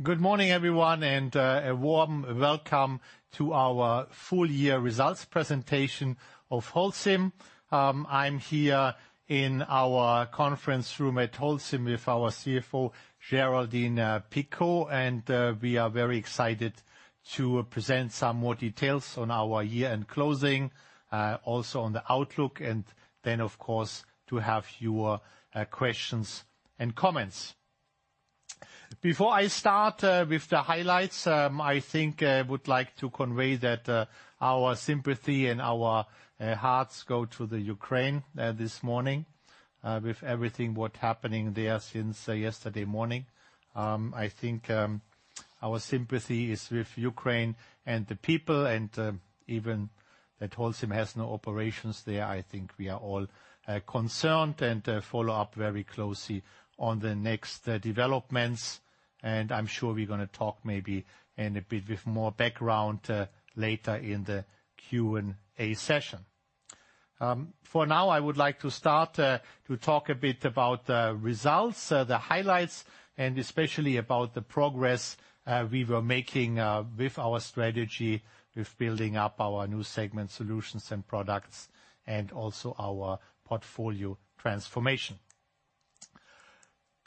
Good morning, everyone, and a warm welcome to our full-year results presentation of Holcim. I'm here in our conference room at Holcim with our CFO, Géraldine Picaud. We are very excited to present some more details on our year-end closing, also on the outlook, and then, of course, to have your questions and comments. Before I start with the highlights, I think I would like to convey that our sympathy and our hearts go to Ukraine this morning with everything what's happening there since yesterday morning. I think our sympathy is with Ukraine and the people and even though Holcim has no operations there, I think we are all concerned and follow up very closely on the next developments. I'm sure we're gonna talk maybe in a bit with more background, later in the Q&A session. For now, I would like to start to talk a bit about the results, the highlights, and especially about the progress we were making with our strategy with building up our new segment Solutions & Products, and also our portfolio transformation.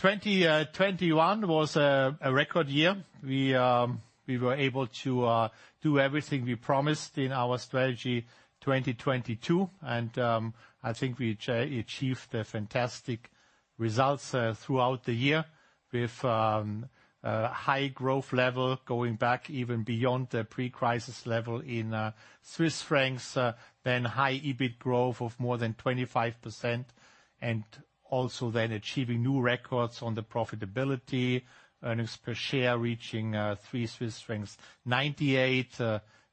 2021 was a record year. We were able to do everything we promised in our Strategy 2022. I think we achieved a fantastic results throughout the year with high growth level going back even beyond the pre-crisis level in Swiss francs, then high EBIT growth of more than 25%, and also then achieving new records on the profitability, earnings per share reaching 3.98 Swiss francs,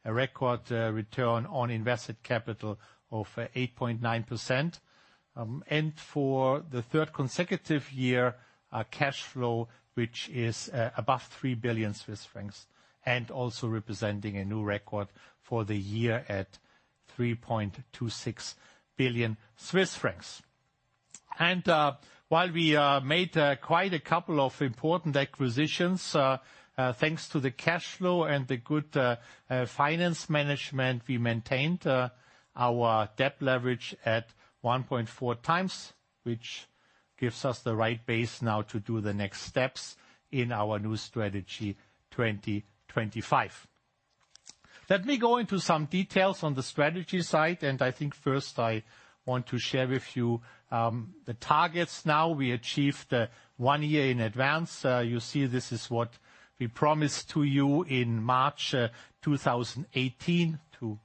a record return on invested capital of 8.9%. For the third consecutive year, a cash flow which is above 3 billion Swiss francs, and also representing a new record for the year at 3.26 billion Swiss francs. While we made quite a couple of important acquisitions, thanks to the cash flow and the good finance management, we maintained our debt leverage at 1.4x, which gives us the right base now to do the next steps in our new Strategy 2025. Let me go into some details on the strategy side. I think first I want to share with you the targets now we achieved one year in advance. You see this is what we promised to you in March 2018 to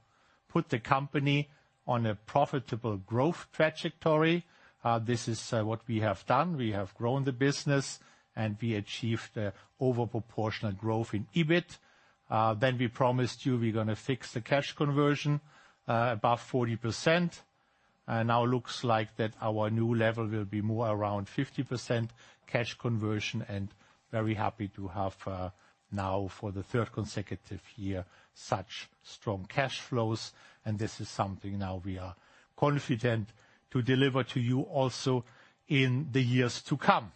put the company on a profitable growth trajectory. This is what we have done. We have grown the business, and we achieved a over proportional growth in EBIT. We promised you we're gonna fix the cash conversion above 40%. Now it looks like our new level will be more around 50% cash conversion. Very happy to have now for the third consecutive year such strong cash flows. This is something now we are confident to deliver to you also in the years to come.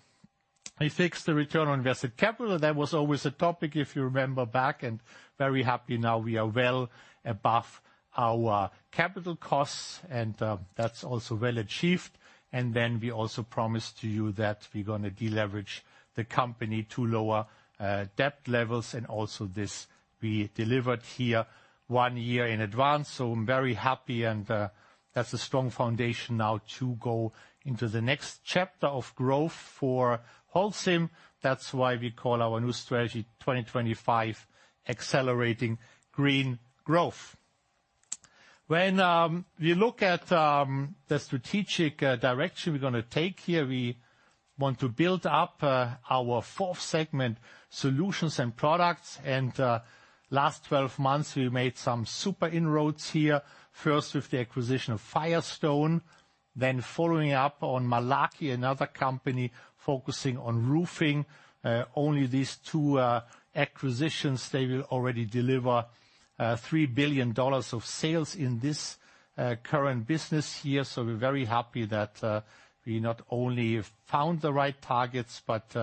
We fixed the Return on Invested Capital. That was always a topic, if you remember back, and very happy now we are well above our capital costs, and that's also well achieved. Then we also promised to you that we're gonna deleverage the company to lower debt levels. Also this we delivered here one year in advance. I'm very happy, and that's a strong foundation now to go into the next chapter of growth for Holcim. That's why we call our new Strategy 2025 Accelerating Green Growth. When we look at the strategic direction we're gonna take here, we want to build up our fourth segment, Solutions & Products. Last 12 months, we made some super inroads here, first with the acquisition of Firestone, then following up on Malarkey, another company focusing on roofing. Only these two acquisitions they will already deliver $3 billion of sales in this current business year. We're very happy that we not only have found the right targets, but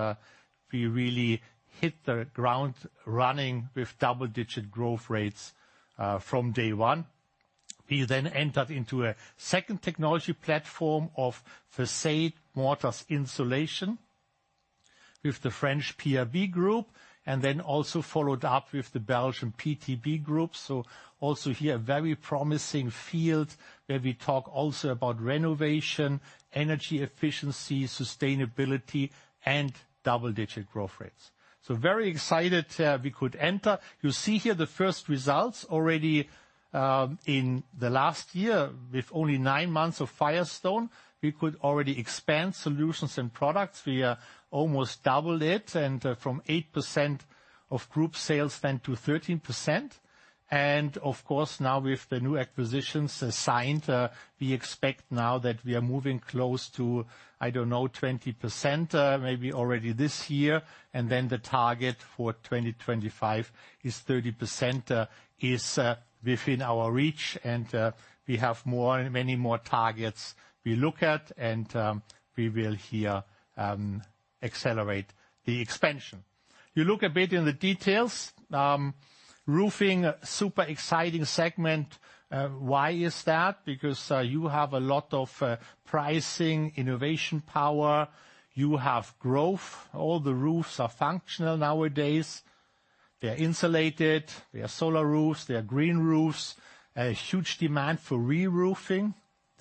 we really hit the ground running with double-digit growth rates from day one. We then entered into a second technology platform of façade mortars insulation with the French PRB Group, and then also followed up with the Belgian PTB Group. Also here, very promising field, where we talk also about renovation, energy efficiency, sustainability, and double-digit growth rates. Very excited, we could enter. You see here the first results already in the last year, with only nine months of Firestone, we could already expand Solutions & Products. We almost doubled it and from 8% of group sales then to 13%. Of course, now with the new acquisitions announced, we expect now that we are moving close to, I don't know, 20%, maybe already this year. Then the target for 2025 is 30% is within our reach. We have more, many more targets we look at, and we will here accelerate the expansion. You look a bit in the details. Roofing, super exciting segment. Why is that? Because you have a lot of pricing, innovation power. You have growth. All the roofs are functional nowadays. They're insulated, they are solar roofs, they are green roofs. A huge demand for reroofing.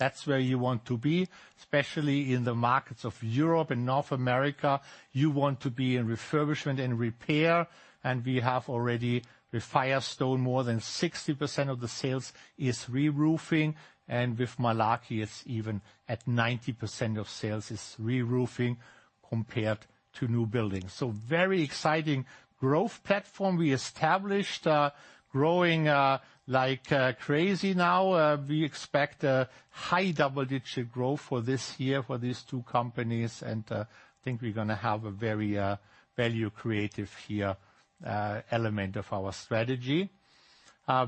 That's where you want to be, especially in the markets of Europe and North America. You want to be in refurbishment and repair. We have already with Firestone, more than 60% of the sales is reroofing. With Malarkey, it's even at 90% of sales is reroofing compared to new buildings. Very exciting growth platform we established, growing like crazy now. We expect a high double-digit growth for this year for these two companies and think we're gonna have a very value creative here element of our strategy.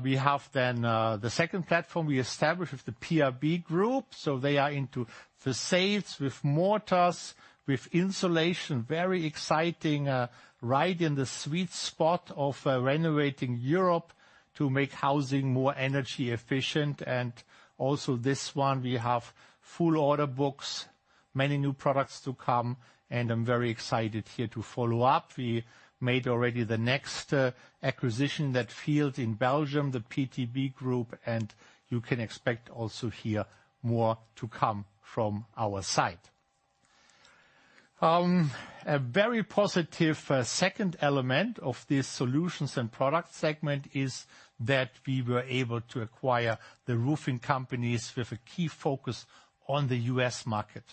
We have the second platform we established with the PRB Group. They are into facades with mortars, with insulation. Very exciting, right in the sweet spot of renovating Europe to make housing more energy efficient. Also this one, we have full order books, many new products to come, and I'm very excited here to follow up. We made already the next acquisition, that field in Belgium the PTB Group, and you can expect also here more to come from our side. A very positive second element of this Solutions & Products segment is that we were able to acquire the roofing companies with a key focus on the U.S. market.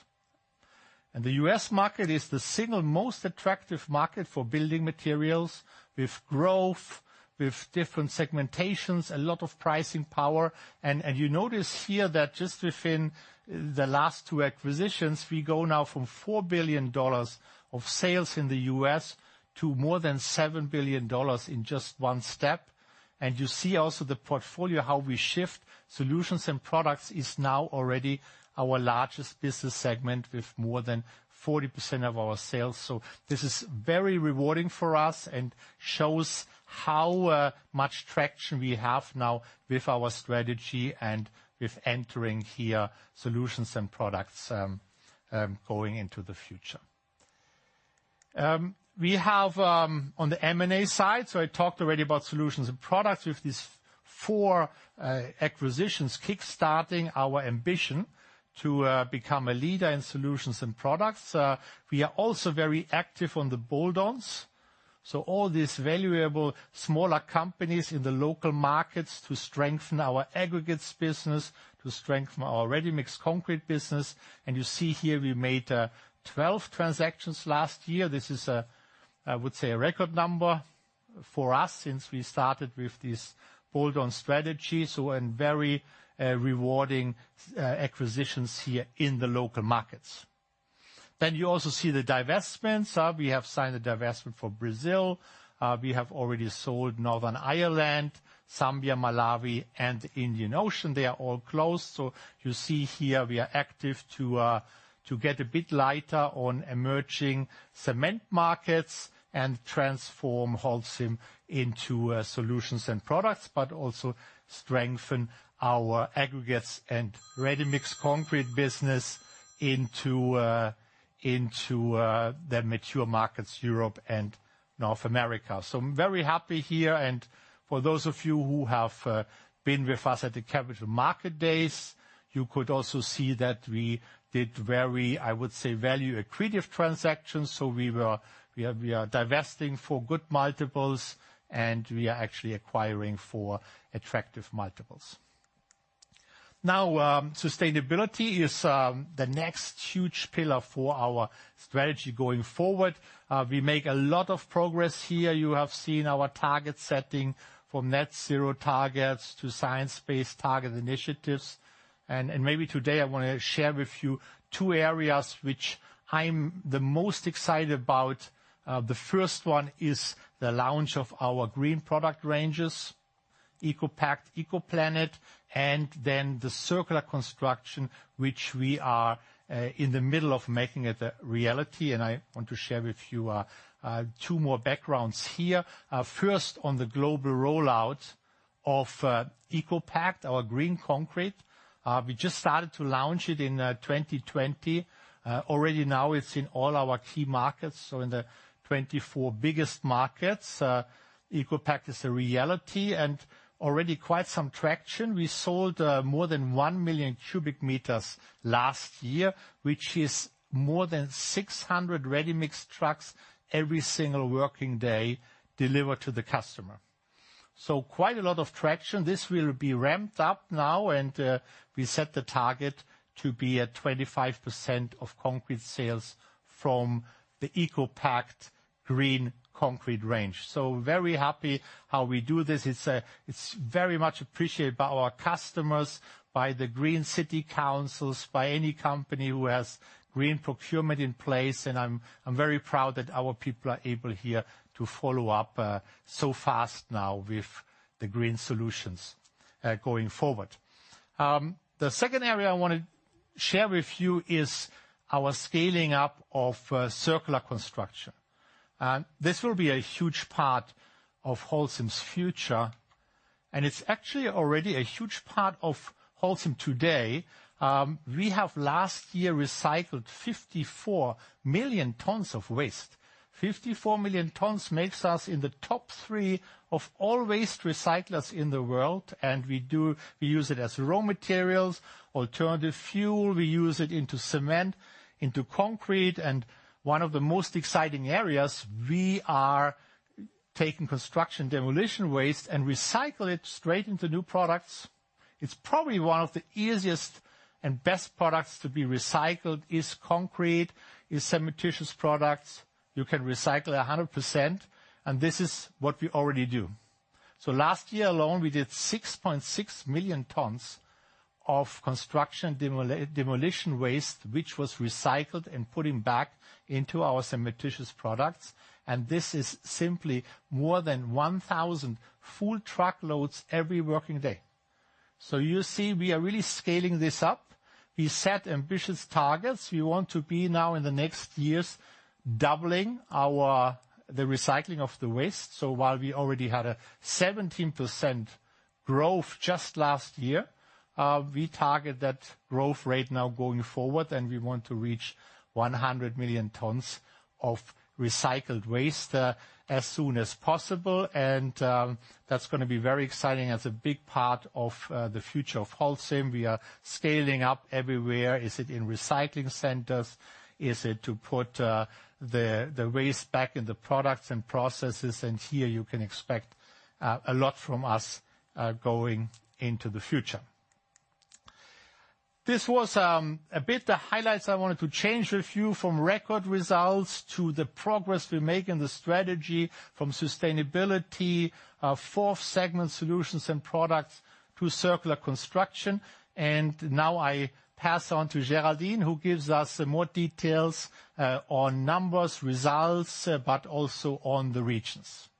The U.S. market is the single most attractive market for building materials with growth, with different segmentations, a lot of pricing power. You notice here that just within the last two acquisitions, we go now from $4 billion of sales in the U.S. to more than $7 billion in just one step. You see also the portfolio, how we shift. Solutions & Products is now already our largest business segment with more than 40% of our sales. This is very rewarding for us and shows how much traction we have now with our strategy and with entering here, Solutions & Products, going into the future. We have on the M&A side. I talked already about Solutions and Products. With these four acquisitions, kickstarting our ambition to become a leader in Solutions and Products. We are also very active on the bolt-ons. All these valuable smaller companies in the local markets to strengthen our aggregates business, to strengthen our ready-mix concrete business. You see here we made 12 transactions last year. This is, I would say, a record number for us since we started with this bolt-on strategy. Very rewarding acquisitions here in the local markets. You also see the divestments. We have signed a divestment for Brazil. We have already sold Northern Ireland, Zambia, Malawi, and Indian Ocean. They are all closed. You see here we are active to get a bit lighter on emerging cement markets and transform Holcim into a Solutions & Products, but also strengthen our aggregates and ready-mix concrete business into the mature markets, Europe and North America. I'm very happy here. For those of you who have been with us at the Capital Markets Day, you could also see that we did very, I would say, value accretive transactions. We are divesting for good multiples, and we are actually acquiring for attractive multiples. Now, sustainability is the next huge pillar for our strategy going forward. We make a lot of progress here. You have seen our target setting from net zero targets to Science Based Targets initiative. Maybe today I want to share with you two areas which I'm the most excited about. The first one is the launch of our green product ranges, ECOPact, ECOPlanet, and then the circular construction, which we are in the middle of making it a reality. I want to share with you two more backgrounds here. First on the global rollout of ECOPact, our green concrete. We just started to launch it in 2020. Already now it's in all our key markets. In the 24 biggest markets, ECOPact is a reality and already quite some traction. We sold more than 1 million cubic meters last year, which is more than 600 ready-mix trucks every single working day delivered to the customer. Quite a lot of traction. This will be ramped up now, and we set the target to be at 25% of concrete sales from the ECOPact green concrete range. Very happy how we do this. It's very much appreciated by our customers, by the green city councils, by any company who has green procurement in place. I'm very proud that our people are able here to follow up so fast now with the green solutions going forward. The second area I wanna share with you is our scaling up of circular construction. This will be a huge part of Holcim's future. It's actually already a huge part of Holcim today. We have last year recycled 54 million tons of waste. 54 million tons makes us in the top three of all waste recyclers in the world, and we do use it as raw materials, alternative fuel, we use it into cement, into concrete. One of the most exciting areas, we are taking construction demolition waste and recycle it straight into new products. It's probably one of the easiest and best products to be recycled is concrete, cementitious products. You can recycle 100%, and this is what we already do. Last year alone, we did 6.6 million tons of construction demolition waste, which was recycled and putting back into our cementitious products. This is simply more than 1,000 full truckloads every working day. You see, we are really scaling this up. We set ambitious targets. We want to be now in the next years doubling our the recycling of the waste. While we already had a 17% growth just last year, we target that growth rate now going forward, and we want to reach 100 million tons of recycled waste as soon as possible. That's gonna be very exciting. That's a big part of the future of Holcim. We are scaling up everywhere. Is it in recycling centers? Is it to put the waste back in the products and processes? Here, you can expect a lot from us going into the future. This was a bit the highlights. I wanted to change the view from record results to the progress we make in the strategy from sustainability, fourth segment Solutions and Products to circular construction. Now I pass on to Géraldine, who gives us some more details on numbers, results, but also on the regions.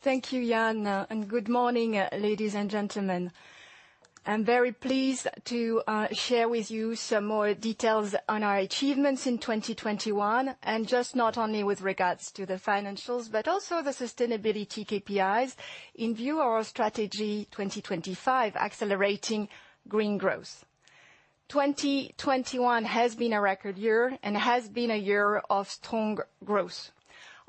Thank you, Jan, and good morning, ladies and gentlemen. I'm very pleased to share with you some more details on our achievements in 2021, and just not only with regards to the financials, but also the sustainability KPIs in view of our Strategy 2025, Accelerating Green Growth. 2021 has been a record year and has been a year of strong growth.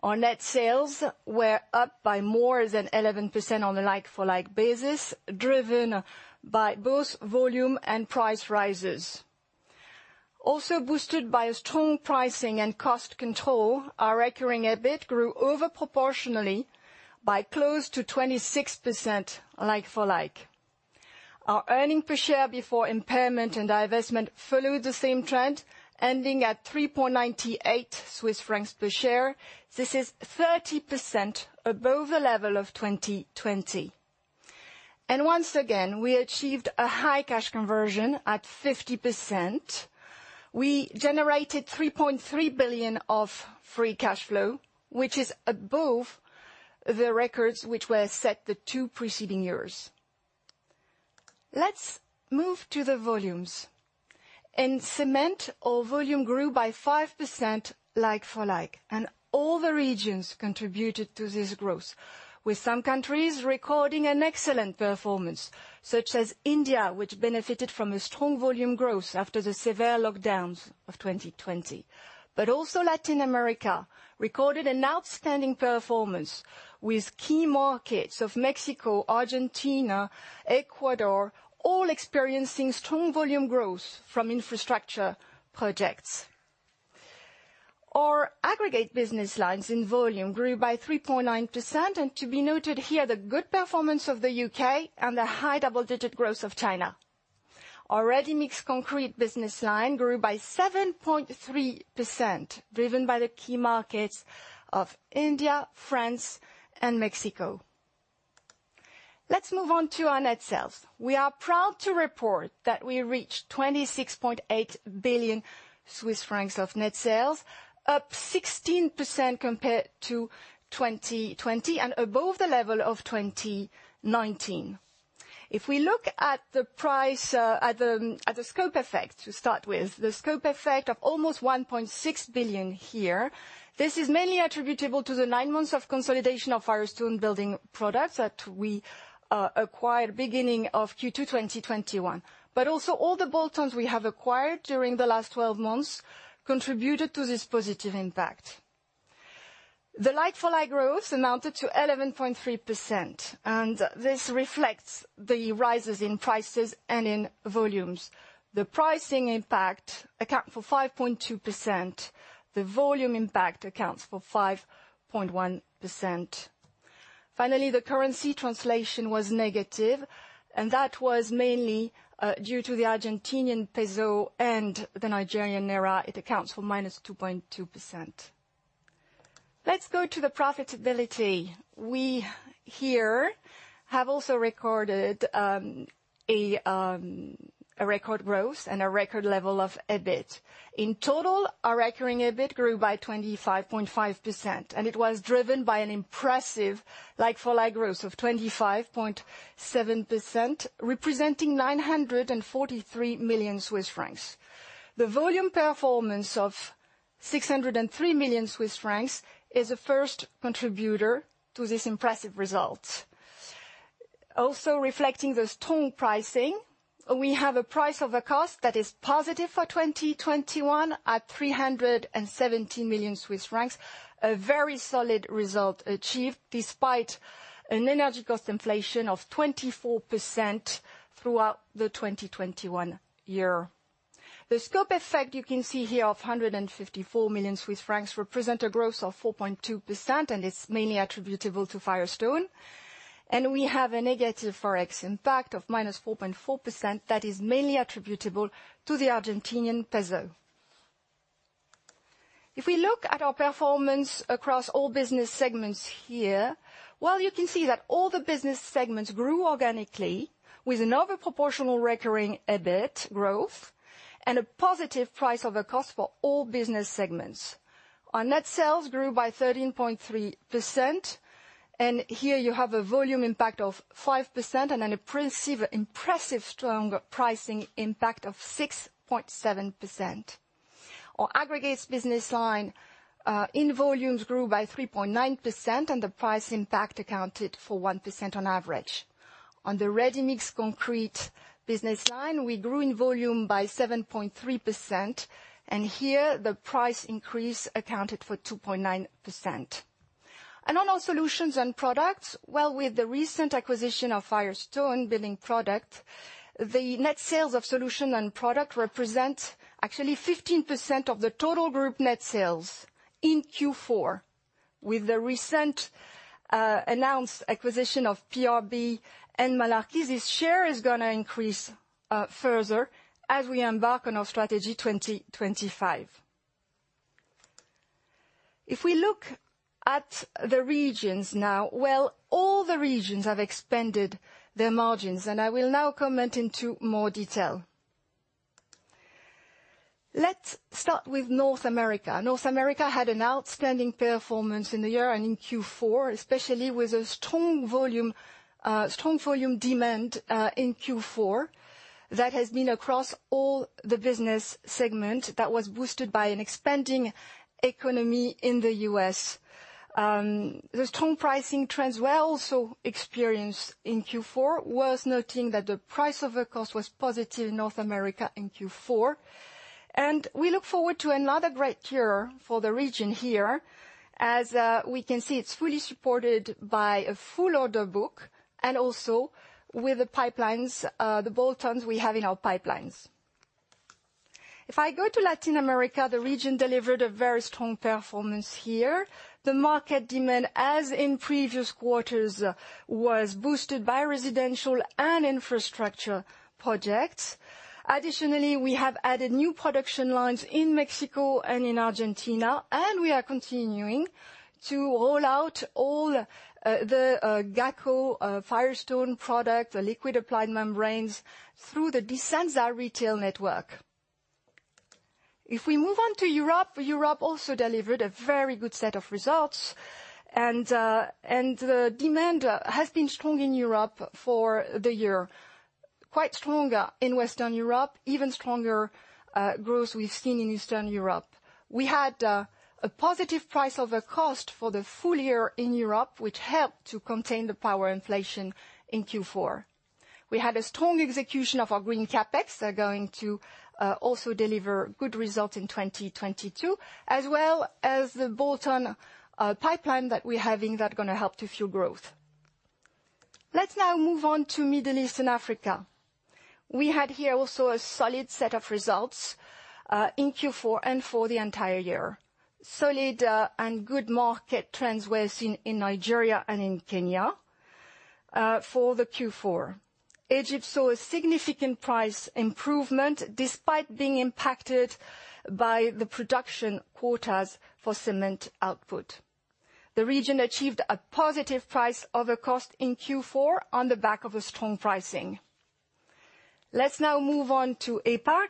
Our net sales were up by more than 11% on a like-for-like basis, driven by both volume and price rises. Also boosted by a strong pricing and cost control, our Recurring EBIT grew over proportionally by close to 26% like-for-like. Our earnings per share before impairment and divestment followed the same trend, ending at 3.98 Swiss francs per share. This is 30% above the level of 2020. Once again, we achieved a high cash conversion at 50%. We generated 3.3 billion of free cash flow, which is above the records which were set the two preceding years. Let's move to the volumes. In cement, our volume grew by 5% like-for-like, and all the regions contributed to this growth, with some countries recording an excellent performance, such as India, which benefited from a strong volume growth after the severe lockdowns of 2020. Latin America recorded an outstanding performance with key markets of Mexico, Argentina, Ecuador, all experiencing strong volume growth from infrastructure projects. Our aggregate business lines in volume grew by 3.9%, and to be noted here, the good performance of the U.K. and the high double-digit growth of China. Our ready-mix concrete business line grew by 7.3%, driven by the key markets of India, France, and Mexico. Let's move on to our net sales. We are proud to report that we reached 26.8 billion Swiss francs of net sales, up 16% compared to 2020 and above the level of 2019. If we look at the price, at the scope effect to start with, the scope effect of almost 1.6 billion here, this is mainly attributable to the nine months of consolidation of Firestone Building Products that we acquired beginning of Q2 2021. But also all the bolt-ons we have acquired during the last 12 months contributed to this positive impact. The like-for-like growth amounted to 11.3%, and this reflects the rises in prices and in volumes. The pricing impact accounts for 5.2%, the volume impact accounts for 5.1%. Finally, the currency translation was negative, and that was mainly due to the Argentinian peso and the Nigerian naira. It accounts for -2.2%. Let's go to the profitability. We here have also recorded a record growth and a record level of EBIT. In total, our recurring EBIT grew by 25.5%, and it was driven by an impressive like-for-like growth of 25.7%, representing 943 million Swiss francs. The volume performance of 603 million Swiss francs is the first contributor to this impressive result. Also reflecting the strong pricing, we have a price over cost that is positive for 2021 at 370 million Swiss francs. A very solid result achieved despite an energy cost inflation of 24% throughout the 2021 year. The scope effect you can see here of 154 million Swiss francs represents a growth of 4.2%, and it's mainly attributable to Firestone. We have a negative Forex impact of -4.4% that is mainly attributable to the Argentinian peso. If we look at our performance across all business segments here, well, you can see that all the business segments grew organically with an overproportional recurring EBIT growth and a positive price over cost for all business segments. Our net sales grew by 13.3%, and here you have a volume impact of 5% and an impressive, strong pricing impact of 6.7%. Our aggregates business line in volumes grew by 3.9%, and the price impact accounted for 1% on average. On the ready-mix concrete business line, we grew in volume by 7.3%, and here the price increase accounted for 2.9%. On our Solutions & Products, with the recent acquisition of Firestone Building Products, the net sales of Solutions & Products represent actually 15% of the total group net sales in Q4. With the recent announced acquisition of PRB and Malarkey, this share is gonna increase further as we embark on our Strategy 2025. If we look at the regions now, all the regions have expanded their margins, and I will now comment in more detail. Let's start with North America. North America had an outstanding performance in the year and in Q4, especially with a strong volume demand in Q4 that has been across all the business segment that was boosted by an expanding economy in the U.S. The strong pricing trends were also experienced in Q4, worth noting that the price over cost was positive in North America in Q4. We look forward to another great year for the region here. As we can see, it's fully supported by a full order book, and also with the pipelines, the bolt-ons we have in our pipelines. If I go to Latin America, the region delivered a very strong performance here. The market demand, as in previous quarters, was boosted by residential and infrastructure projects. Additionally, we have added new production lines in Mexico and in Argentina, and we are continuing to roll out the Gaco Firestone product, the liquid applied membranes, through the Disensa retail network. If we move on to Europe also delivered a very good set of results. Demand has been strong in Europe for the year. Quite strong in Western Europe, even stronger growth we've seen in Eastern Europe. We had a positive price over cost for the full year in Europe, which helped to contain the cost inflation in Q4. We had a strong execution of our Green CapEx. They're going to also deliver good results in 2022, as well as the bolt-on pipeline that we have and that gonna help to fuel growth. Let's now move on to Middle East and Africa. We had here also a solid set of results in Q4 and for the entire year. Solid and good market trends were seen in Nigeria and in Kenya for the Q4. Egypt saw a significant price improvement despite being impacted by the production quotas for cement output. The region achieved a positive price over cost in Q4 on the back of a strong pricing. Let's now move on to APAC.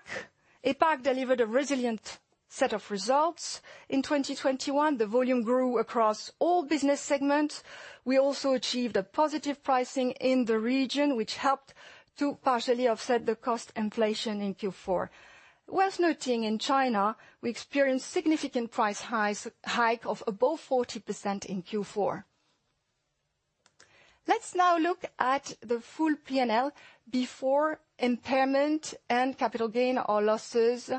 APAC delivered a resilient set of results in 2021. The volume grew across all business segments. We also achieved a positive pricing in the region, which helped to partially offset the cost inflation in Q4. Worth noting in China, we experienced significant price hike of above 40% in Q4. Let's now look at the full P&L before impairment and capital gains or losses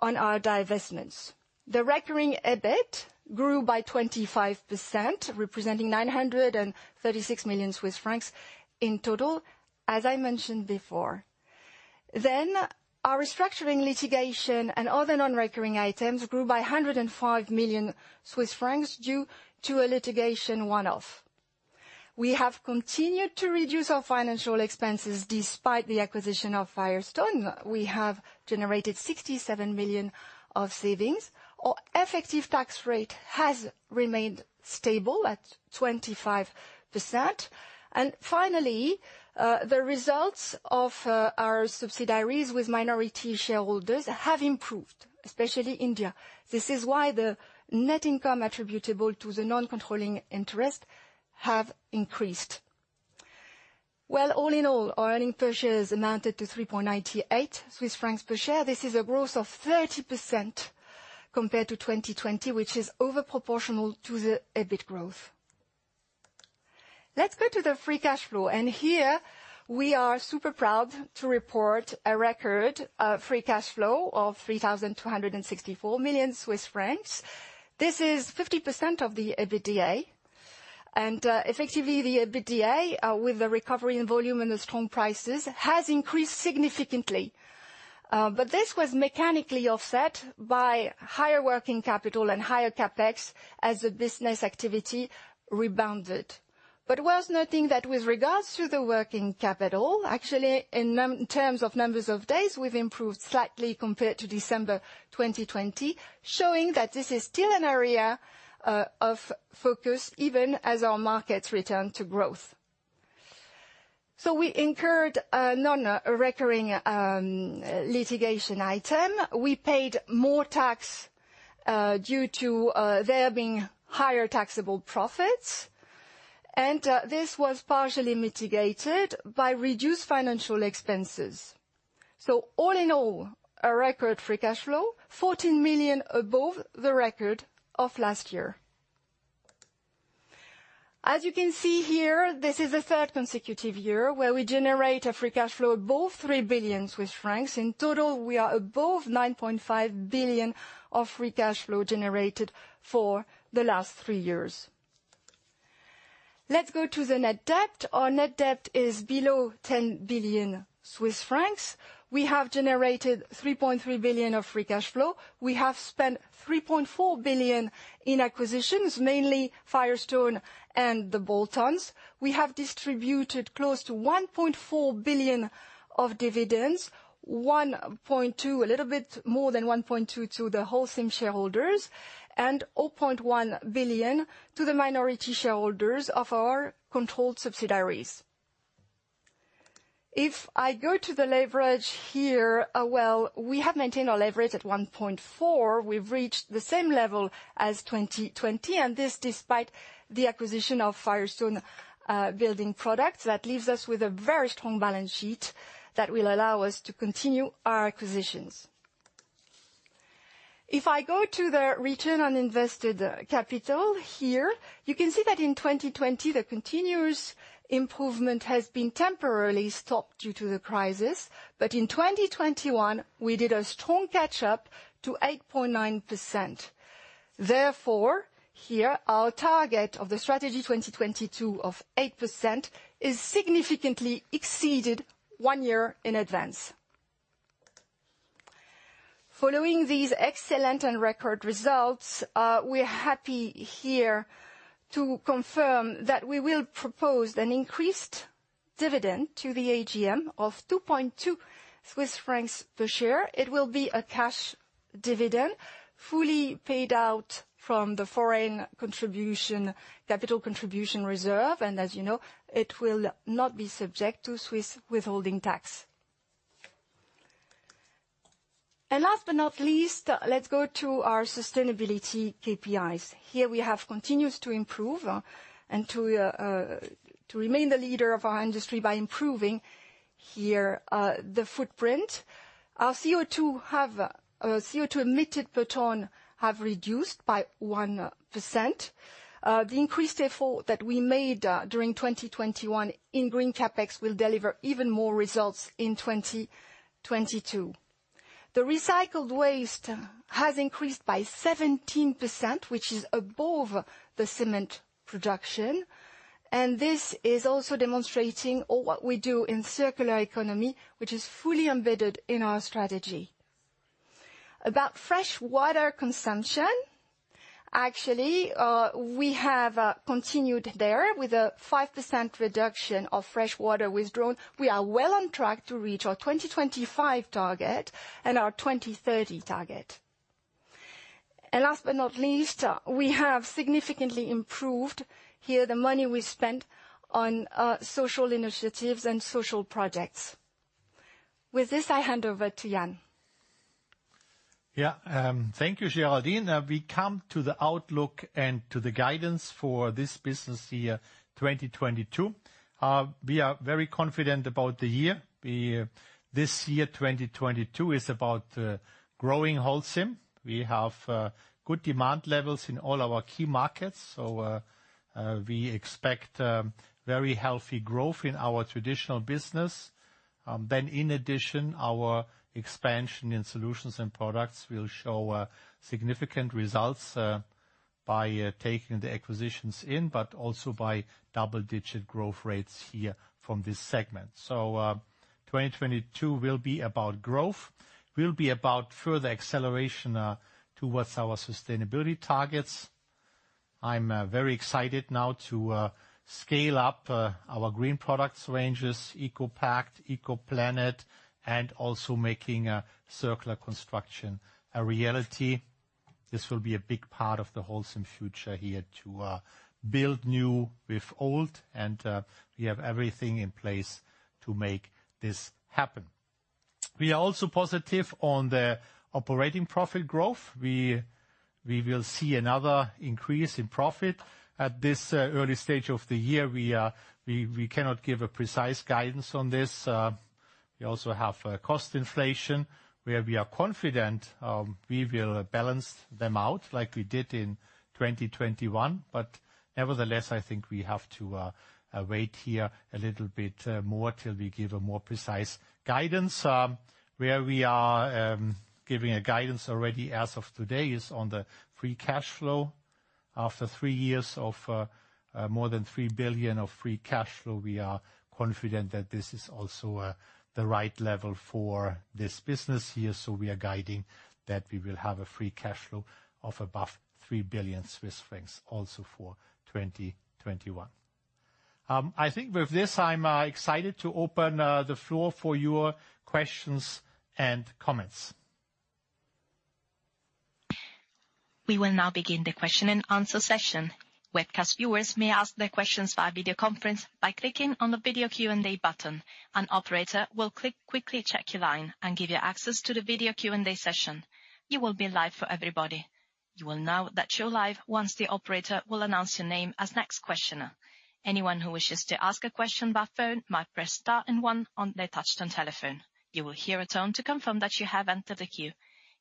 on our divestments. Recurring EBIT grew by 25%, representing 936 million Swiss francs in total, as I mentioned before. Our restructuring litigation and other non-recurring items grew by 105 million Swiss francs due to a litigation one-off. We have continued to reduce our financial expenses despite the acquisition of Firestone. We have generated 67 million of savings. Our effective tax rate has remained stable at 25%. Finally, the results of our subsidiaries with minority shareholders have improved, especially India. This is why the net income attributable to the non-controlling interest have increased. Well, all in all, our earnings per share amounted to 3.98 Swiss francs per share. This is a growth of 30% compared to 2020, which is over proportional to the EBIT growth. Let's go to the free cash flow. Here we are super proud to report a record free cash flow of 3,264 million Swiss francs. This is 50% of the EBITDA. Effectively, the EBITDA, with the recovery in volume and the strong prices, has increased significantly. This was mechanically offset by higher working capital and higher CapEx as the business activity rebounded. It's worth noting that with regards to the working capital, actually in terms of numbers of days, we've improved slightly compared to December 2020, showing that this is still an area of focus even as our markets return to growth. We incurred a non-recurring litigation item. We paid more tax due to there being higher taxable profits, and this was partially mitigated by reduced financial expenses. All in all, a record free cash flow, 14 million above the record of last year. As you can see here, this is the third consecutive year where we generate a free cash flow above 3 billion Swiss francs. In total, we are above 9.5 billion of free cash flow generated for the last three years. Let's go to the net debt. Our net debt is below 10 billion Swiss francs. We have generated 3.3 billion of free cash flow. We have spent 3.4 billion in acquisitions, mainly Firestone and the bolt-ons. We have distributed close to 1.4 billion of dividends, 1.2, a little bit more than 1.2 to the Holcim shareholders, and 0.1 billion to the minority shareholders of our controlled subsidiaries. If I go to the leverage here, well, we have maintained our leverage at 1.4. We've reached the same level as 2020, and this despite the acquisition of Firestone Building Products. That leaves us with a very strong balance sheet that will allow us to continue our acquisitions. If I go to the Return on Invested Capital here, you can see that in 2020, the continuous improvement has been temporarily stopped due to the crisis. In 2021, we did a strong catch up to 8.9%. Therefore, here our target of the Strategy 2022 of 8% is significantly exceeded one year in advance. Following these excellent and record results, we're happy here to confirm that we will propose an increased dividend to the AGM of 2.2 Swiss francs per share. It will be a cash dividend fully paid out from the foreign capital contribution reserve. As you know, it will not be subject to Swiss withholding tax. Last but not least, let's go to our sustainability KPIs. Here we have continued to improve and to remain the leader of our industry by improving the footprint. Our CO2 emitted per ton have reduced by 1%. The increased effort that we made during 2021 in Green CapEx will deliver even more results in 2022. The recycled waste has increased by 17%, which is above the cement production. This is also demonstrating all what we do in circular economy, which is fully embedded in our strategy. About fresh water consumption, actually, we have continued there with a 5% reduction of fresh water withdrawn. We are well on track to reach our 2025 target and our 2030 target. Last but not least, we have significantly improved here the money we spent on social initiatives and social projects. With this, I hand over to Jan. Yeah. Thank you, Géraldine. We come to the outlook and to the guidance for this business year 2022. We are very confident about the year. This year, 2022, is about growing Holcim. We have good demand levels in all our key markets, so we expect very healthy growth in our traditional business. In addition, our expansion in Solutions & Products will show significant results by taking the acquisitions in, but also by double digit growth rates here from this segment. 2022 will be about growth, will be about further acceleration towards our sustainability targets. I'm very excited now to scale up our green products ranges, ECOPact, ECOPlanet, and also making circular construction a reality. This will be a big part of the Holcim future here to build new with old, and we have everything in place to make this happen. We are also positive on the operating profit growth. We will see another increase in profit. At this early stage of the year, we cannot give a precise guidance on this. We also have cost inflation where we are confident we will balance them out like we did in 2021. Nevertheless, I think we have to wait here a little bit more till we give a more precise guidance. Where we are giving a guidance already as of today is on the free cash flow. After three years of more than 3 billion of free cash flow, we are confident that this is also the right level for this business here. We are guiding that we will have a free cash flow of above 3 billion Swiss francs also for 2021. I think with this, I'm excited to open the floor for your questions and comments. We will now begin the question-and-answer session. Webcast viewers may ask their questions via video conference by clicking on the video Q&A button. An operator will quickly check your line and give you access to the video Q&A session. You will be live for everybody. You will know that you're live once the operator will announce your name as next questioner. Anyone who wishes to ask a question by phone might press star and one on their touch-tone telephone. You will hear a tone to confirm that you have entered the queue.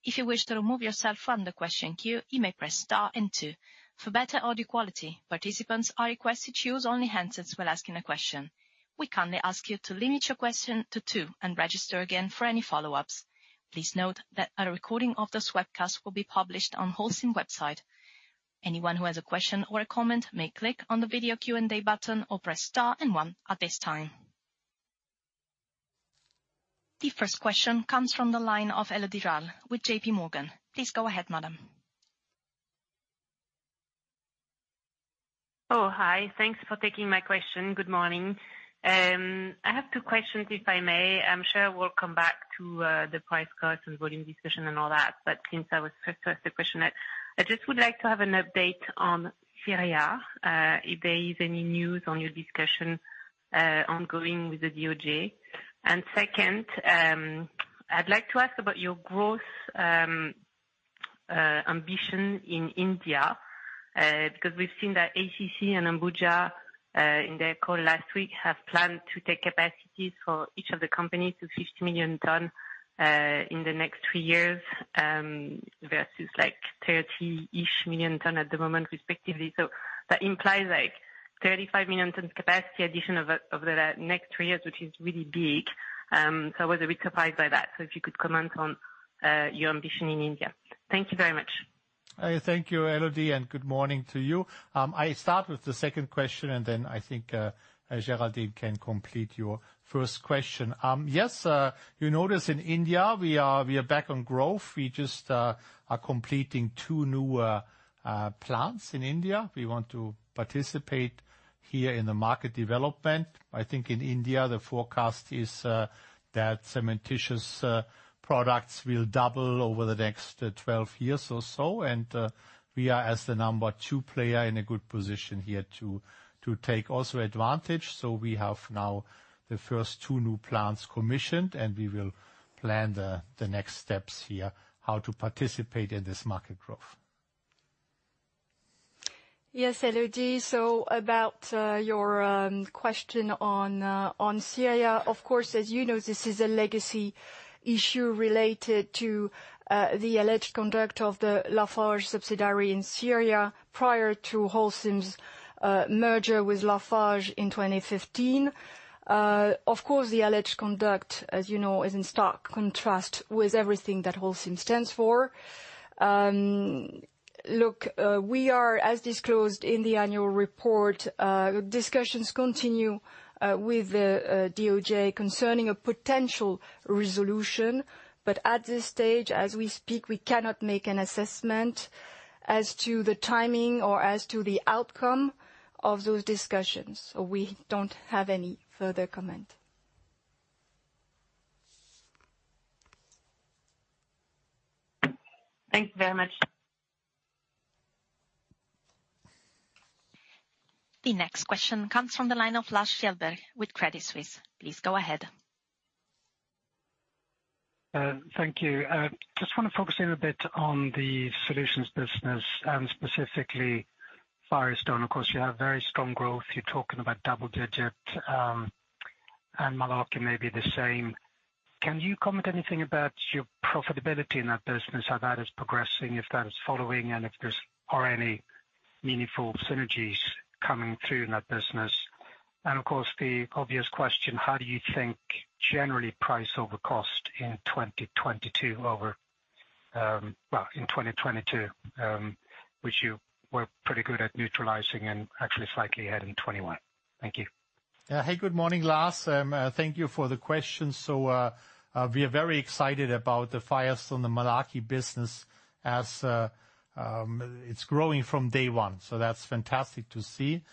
If you wish to remove yourself from the question queue, you may press star and two. For better audio quality, participants are requested to use only handsets when asking a question. We kindly ask you to limit your question to two and register again for any follow-ups. Please note that a recording of this webcast will be published on Holcim website. Anyone who has a question or a comment may click on the video Q&A button or press star and one at this time. The first question comes from the line of Elodie Rall with J.P. Morgan. Please go ahead, madam. Thanks for taking my question. Good morning. I have two questions, if I may. I'm sure we'll come back to the price cuts and volume discussion and all that, but since I was first to ask the question, I just would like to have an update on Syria. If there is any news on your discussion ongoing with the DOJ. And second, I'd like to ask about your growth ambition in India, because we've seen that ACC and Ambuja in their call last week have planned to take capacities for each of the companies to 50 million tons in the next three years, versus like 30-ish million tons at the moment, respectively. That implies like 35 million tons capacity addition over the next three years, which is really big. I was a bit surprised by that. If you could comment on your ambition in India? Thank you very much. Thank you, Elodie, and good morning to you. I start with the second question, and then I think, Géraldine can complete your first question. Yes, you notice in India we are back on growth. We just are completing two new plants in India. We want to participate here in the market development. I think in India, the forecast is that cementitious products will double over the next 12 years or so. We are, as the number two player, in a good position here to take also advantage. We have now the first two new plants commissioned, and we will plan the next steps here, how to participate in this market growth. Yes, Elodie. About your question on Syria, of course, as you know, this is a legacy issue related to the alleged conduct of the Lafarge subsidiary in Syria prior to Holcim's merger with Lafarge in 2015. Of course, the alleged conduct, as you know, is in stark contrast with everything that Holcim stands for. Look, we are as disclosed in the annual report, discussions continue with the DOJ concerning a potential resolution. At this stage, as we speak, we cannot make an assessment as to the timing or as to the outcome of those discussions. We don't have any further comment. Thank you very much. The next question comes from the line of Lars Kjellberg with Credit Suisse. Please go ahead. Thank you. Just want to focus in a bit on the solutions business and specifically Firestone. Of course, you have very strong growth. You're talking about double-digit, and Malarkey may be the same. Can you comment anything about your profitability in that business, how that is progressing, if that is following, and are there any meaningful synergies coming through in that business? And of course, the obvious question. How do you think generally price over cost in 2022, which you were pretty good at neutralizing and actually slightly ahead in 2021? Thank you. Hey, good morning, Lars. Thank you for the question. We are very excited about the Firestone and the Malarkey business as it's growing from day one, so that's fantastic to see.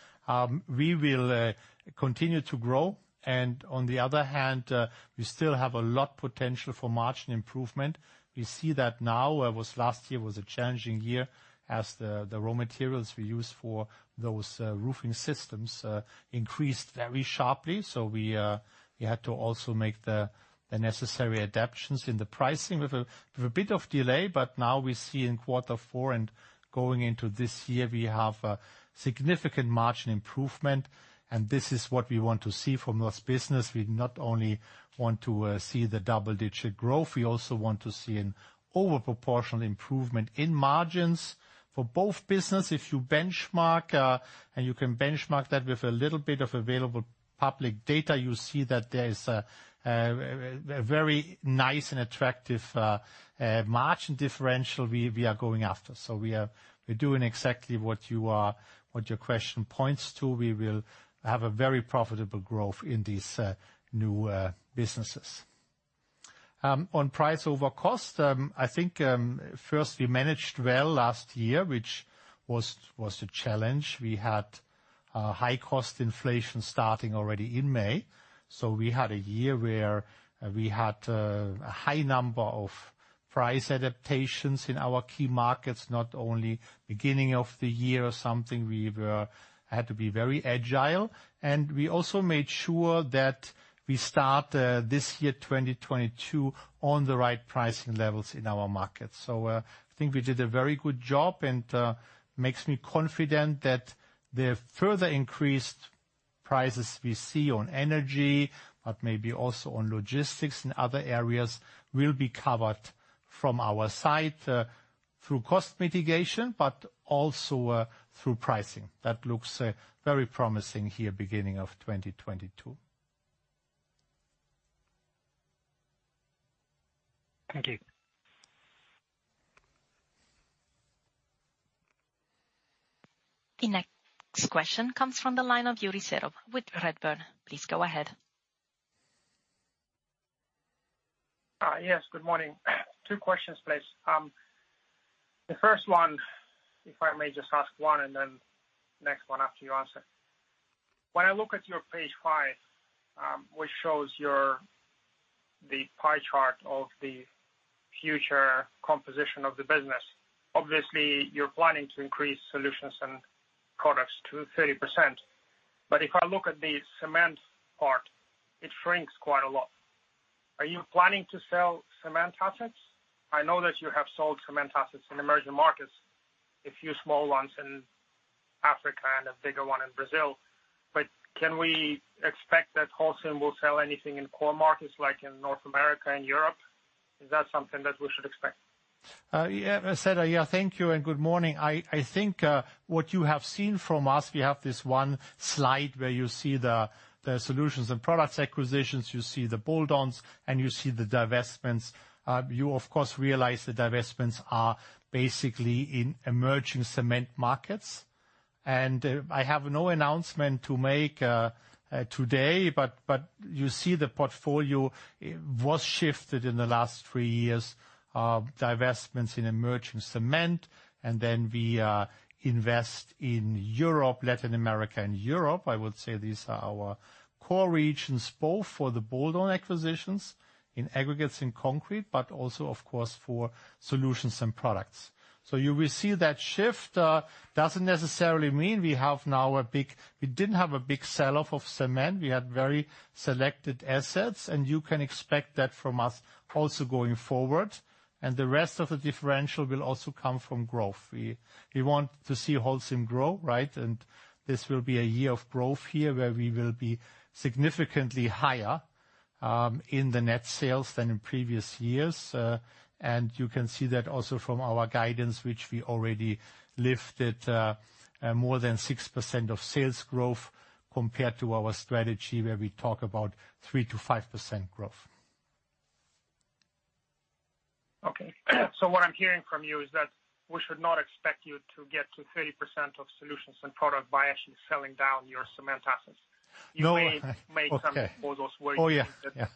We will continue to grow. On the other hand, we still have a lot of potential for margin improvement. We see that now, whereas last year was a challenging year as the raw materials we use for those roofing systems increased very sharply. We had to also make the necessary adaptations in the pricing with a bit of delay. Now we see in quarter four and going into this year, we have a significant margin improvement, and this is what we want to see from this business. We not only want to see the double-digit growth, we also want to see an over proportional improvement in margins for both business. If you benchmark and you can benchmark that with a little bit of available public data, you see that there is a very nice and attractive margin differential we are going after. We're doing exactly what your question points to. We will have a very profitable growth in these new businesses. On price over cost, I think first, we managed well last year, which was a challenge. We had high cost inflation starting already in May. We had a year where we had a high number of price adaptations in our key markets, not only beginning of the year or something, had to be very agile. We also made sure that we start this year, 2022, on the right pricing levels in our market. I think we did a very good job, and makes me confident that the further increased prices we see on energy, but maybe also on logistics and other areas, will be covered from our side through cost mitigation, but also through pricing. That looks very promising here beginning of 2022. Thank you. The next question comes from the line of Yuri Serov with Redburn. Please go ahead. Yes, good morning. Two questions, please. The first one, if I may just ask one and then next one after you answer. When I look at your page five, which shows the pie chart of the future composition of the business, obviously you're planning to increase Solutions & Products to 30%. But if I look at the cement part, it shrinks quite a lot. Are you planning to sell cement assets? I know that you have sold cement assets in emerging markets, a few small ones in Africa and a bigger one in Brazil. But can we expect that Holcim will sell anything in core markets like in North America and Europe? Is that something that we should expect? Yeah, Serov. Yeah, thank you, and good morning. I think what you have seen from us, we have this one slide where you see the Solutions & Products acquisitions, you see the bolt-ons, and you see the divestments. You of course realize the divestments are basically in emerging cement markets. I have no announcement to make today, but you see the portfolio was shifted in the last three years, divestments in emerging cement, and then we invest in Europe, Latin America, and Europe. I would say these are our core regions, both for the bolt-on acquisitions in aggregates and concrete, but also of course for Solutions & Products. You will see that shift doesn't necessarily mean we have now a big. We didn't have a big sell-off of cement. We had very selected assets, and you can expect that from us also going forward. The rest of the differential will also come from growth. We want to see Holcim grow, right? This will be a year of growth here, where we will be significantly higher in the net sales than in previous years. You can see that also from our guidance, which we already lifted, more than 6% of sales growth compared to our strategy where we talk about 3%-5% growth. Okay. What I'm hearing from you is that we should not expect you to get to 30% of Solutions and Products by actually selling down your cement assets. No. You may make some of those where you think that. Yeah.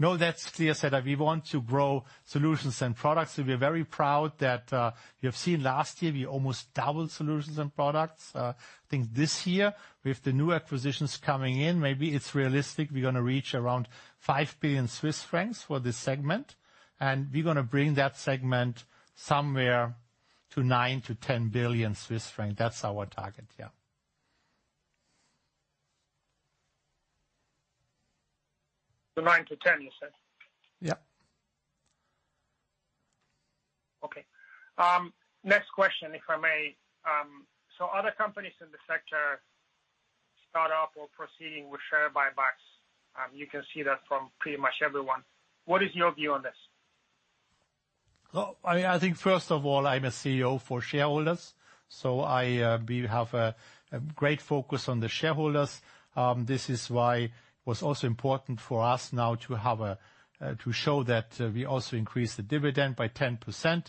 No, that's clear, Serov. We want to grow Solutions & Products. We're very proud that you have seen last year we almost doubled Solutions & Products. I think this year, with the new acquisitions coming in, maybe it's realistic we're gonna reach around 5 billion Swiss francs for this segment, and we're gonna bring that segment somewhere to 9 billion-10 billion Swiss francs. That's our target, yeah. 9-10, you said? Yeah. Okay. Next question, if I may. Other companies in the sector start up or proceeding with share buybacks. You can see that from pretty much everyone. What is your view on this? I think first of all, I'm a CEO for shareholders, so we have a great focus on the shareholders. This is why it was also important for us now to show that we also increased the dividend by 10%.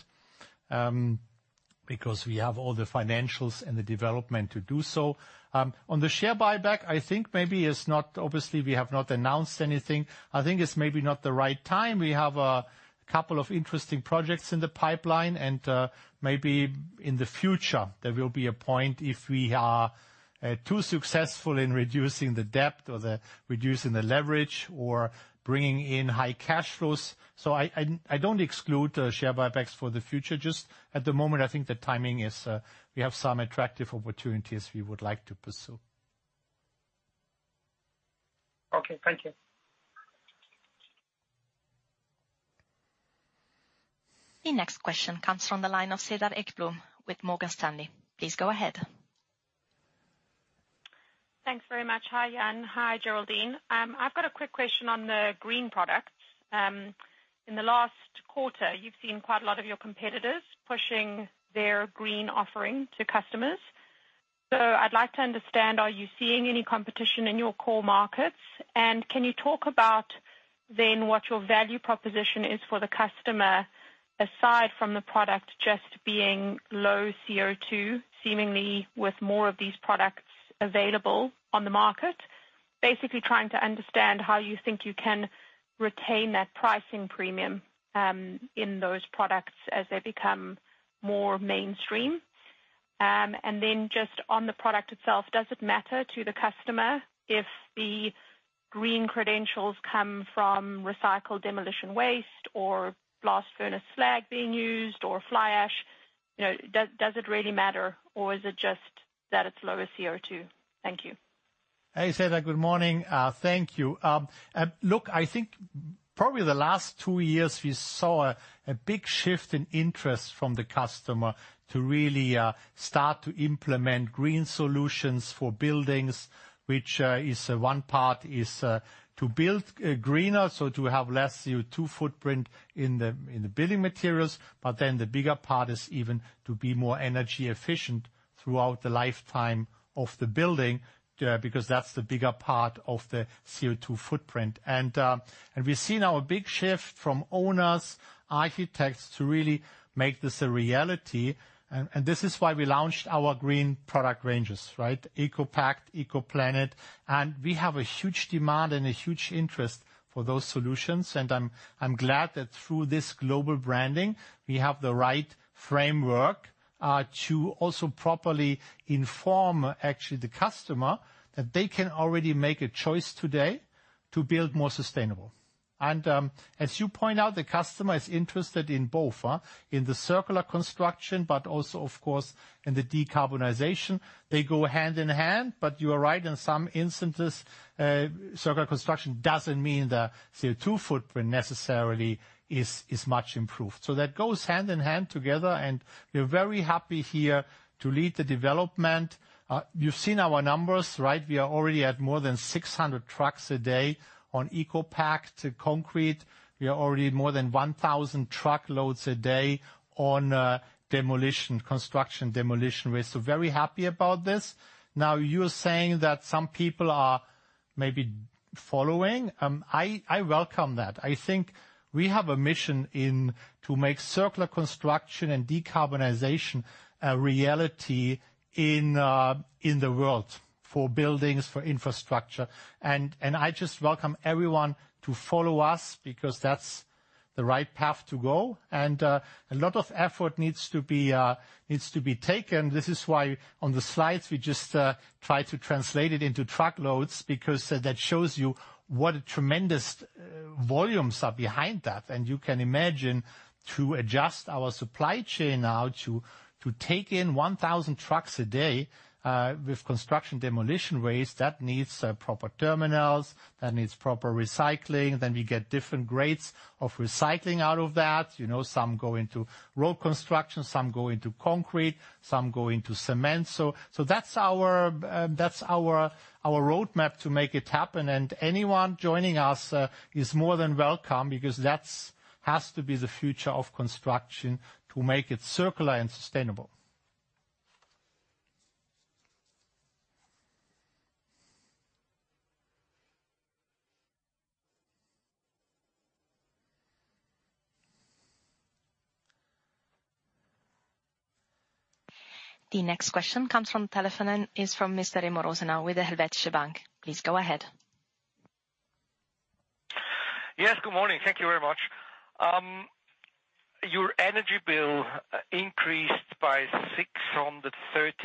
Because we have all the financials and the development to do so. On the share buyback, I think maybe it's not obvious, we have not announced anything. I think it's maybe not the right time. We have a couple of interesting projects in the pipeline, and maybe in the future, there will be a point if we are too successful in reducing the debt or reducing the leverage or bringing in high cash flows. I don't exclude share buybacks for the future. Just at the moment, I think the timing is, we have some attractive opportunities we would like to pursue. Okay. Thank you. The next question comes from the line of Cedar Ekblom with Morgan Stanley. Please go ahead. Thanks very much. Hi, Jan. Hi, Géraldine. I've got a quick question on the green products. In the last quarter, you've seen quite a lot of your competitors pushing their green offering to customers. I'd like to understand, are you seeing any competition in your core markets? Can you talk about then what your value proposition is for the customer, aside from the product just being low CO2 seemingly with more of these products available on the market? Basically trying to understand how you think you can retain that pricing premium in those products as they become more mainstream. Then just on the product itself, does it matter to the customer if the green credentials come from recycled demolition waste or blast furnace slag being used or fly ash? You know, does it really matter, or is it just that it's lower CO2? Thank you. Hey, Cedar. Good morning. Thank you. Look, I think probably the last two years, we saw a big shift in interest from the customer to really start to implement green solutions for buildings, which is one part, is to build greener, so to have less CO2 footprint in the building materials. Then the bigger part is even to be more energy efficient throughout the lifetime of the building, because that's the bigger part of the CO2 footprint. We've seen now a big shift from owners, architects, to really make this a reality. This is why we launched our green product ranges, right? ECOPact, ECOPlanet. We have a huge demand and a huge interest for those solutions. I'm glad that through this global branding, we have the right framework to also properly inform actually the customer that they can already make a choice today to build more sustainable. As you point out, the customer is interested in both in the circular construction, but also, of course, in the decarbonization. They go hand-in-hand, but you are right. In some instances, circular construction doesn't mean the CO2 footprint necessarily is much improved. That goes hand-in-hand together, and we're very happy here to lead the development. You've seen our numbers, right? We are already at more than 600 trucks a day on ECOPact concrete. We are already more than 1,000 truckloads a day on construction demolition waste. Very happy about this. Now, you're saying that some people are maybe following. I welcome that. I think we have a mission to make circular construction and decarbonization a reality in the world for buildings, for infrastructure. I just welcome everyone to follow us because that's the right path to go. A lot of effort needs to be taken. This is why on the slides we just try to translate it into truckloads because that shows you what tremendous volumes are behind that. You can imagine to adjust our supply chain now to take in 1,000 trucks a day with construction demolition waste, that needs proper terminals, that needs proper recycling, then we get different grades of recycling out of that. You know, some go into road construction, some go into concrete, some go into cement. That's our roadmap to make it happen. Anyone joining us is more than welcome because that has to be the future of construction to make it circular and sustainable. The next question comes from the telephone and is from Mr. Remo Rosenau with Helvetische Bank. Please go ahead. Yes, good morning. Thank you very much. Your energy bill increased by 630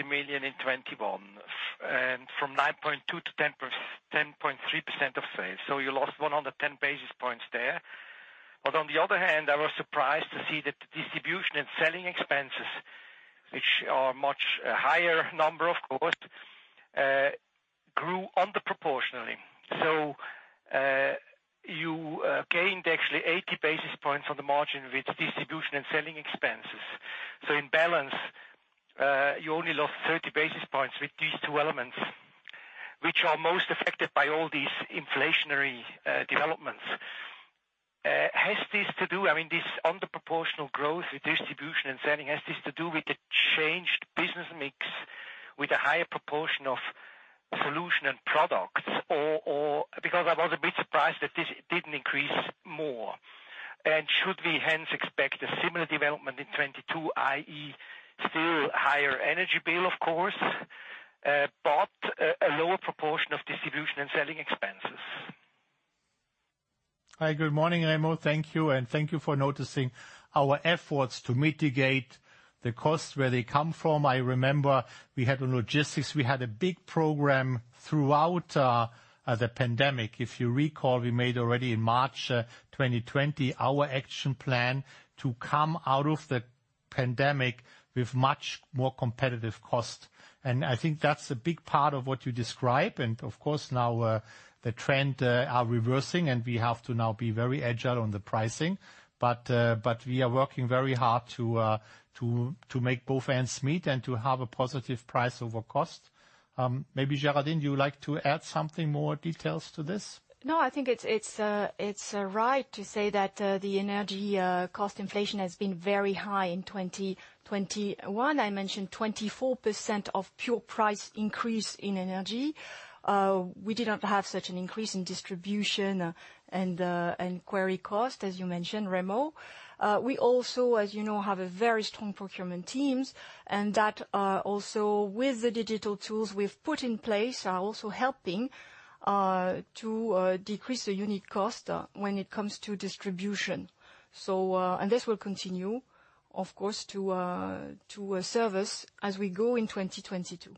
million in 2021, and from 9.2% to 10.3% of sales. You lost 110 basis points there. On the other hand, I was surprised to see that the distribution and selling expenses, which are much higher number, of course, grew disproportionately. You gained actually 80 basis points on the margin with distribution and selling expenses. In balance, you only lost 30 basis points with these two elements, which are most affected by all these inflationary developments. I mean, this underproportional growth with distribution and selling, has this to do with the changed business mix with a higher proportion of Solutions and Products or because I was a bit surprised that this didn't increase more. Should we hence expect a similar development in 2022, i.e., still higher energy bill, of course, but a lower proportion of distribution and selling expenses? Hi, good morning, Remo. Thank you. Thank you for noticing our efforts to mitigate the costs where they come from. I remember we had logistics. We had a big program throughout the pandemic. If you recall, we made already in March 2020 our action plan to come out of the pandemic with much more competitive cost. I think that's a big part of what you describe. Of course, now the trend are reversing, and we have to now be very agile on the pricing. We are working very hard to make both ends meet and to have a positive price over cost. Maybe, Géraldine, you would like to add something more details to this? No, I think it's right to say that the energy cost inflation has been very high in 2021. I mentioned 24% pure price increase in energy. We didn't have such an increase in distribution and quarry cost, as you mentioned, Remo. We also, as you know, have a very strong procurement teams, and that also with the digital tools we've put in place, are also helping to decrease the unit cost when it comes to distribution. And this will continue, of course, to serve us as we go in 2022.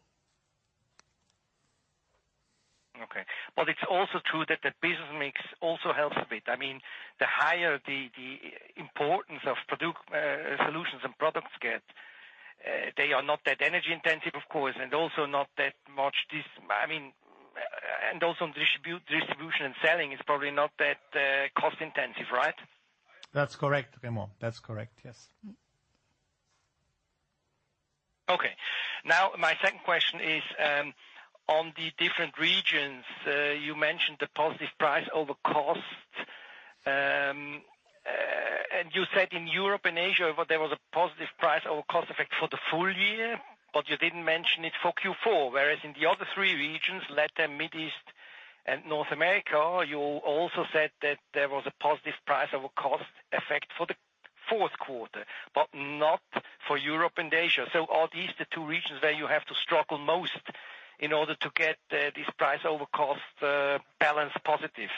Okay. It's also true that the business mix also helps a bit. I mean, the higher the importance of Solutions and Products get, they are not that energy-intensive, of course, and also not that much, I mean, and also on distribution and selling is probably not that cost-intensive, right? That's correct, Remo. That's correct, yes. Okay. Now, my second question is on the different regions. You mentioned the positive price over cost. And you said in Europe and Asia, there was a positive price over cost effect for the full year, but you didn't mention it for Q4. Whereas in the other three regions, LATAM, Middle East, and North America, you also said that there was a positive price over cost effect for the fourth quarter, but not for Europe and Asia. Are these the two regions where you have to struggle most in order to get this price over cost balance positive?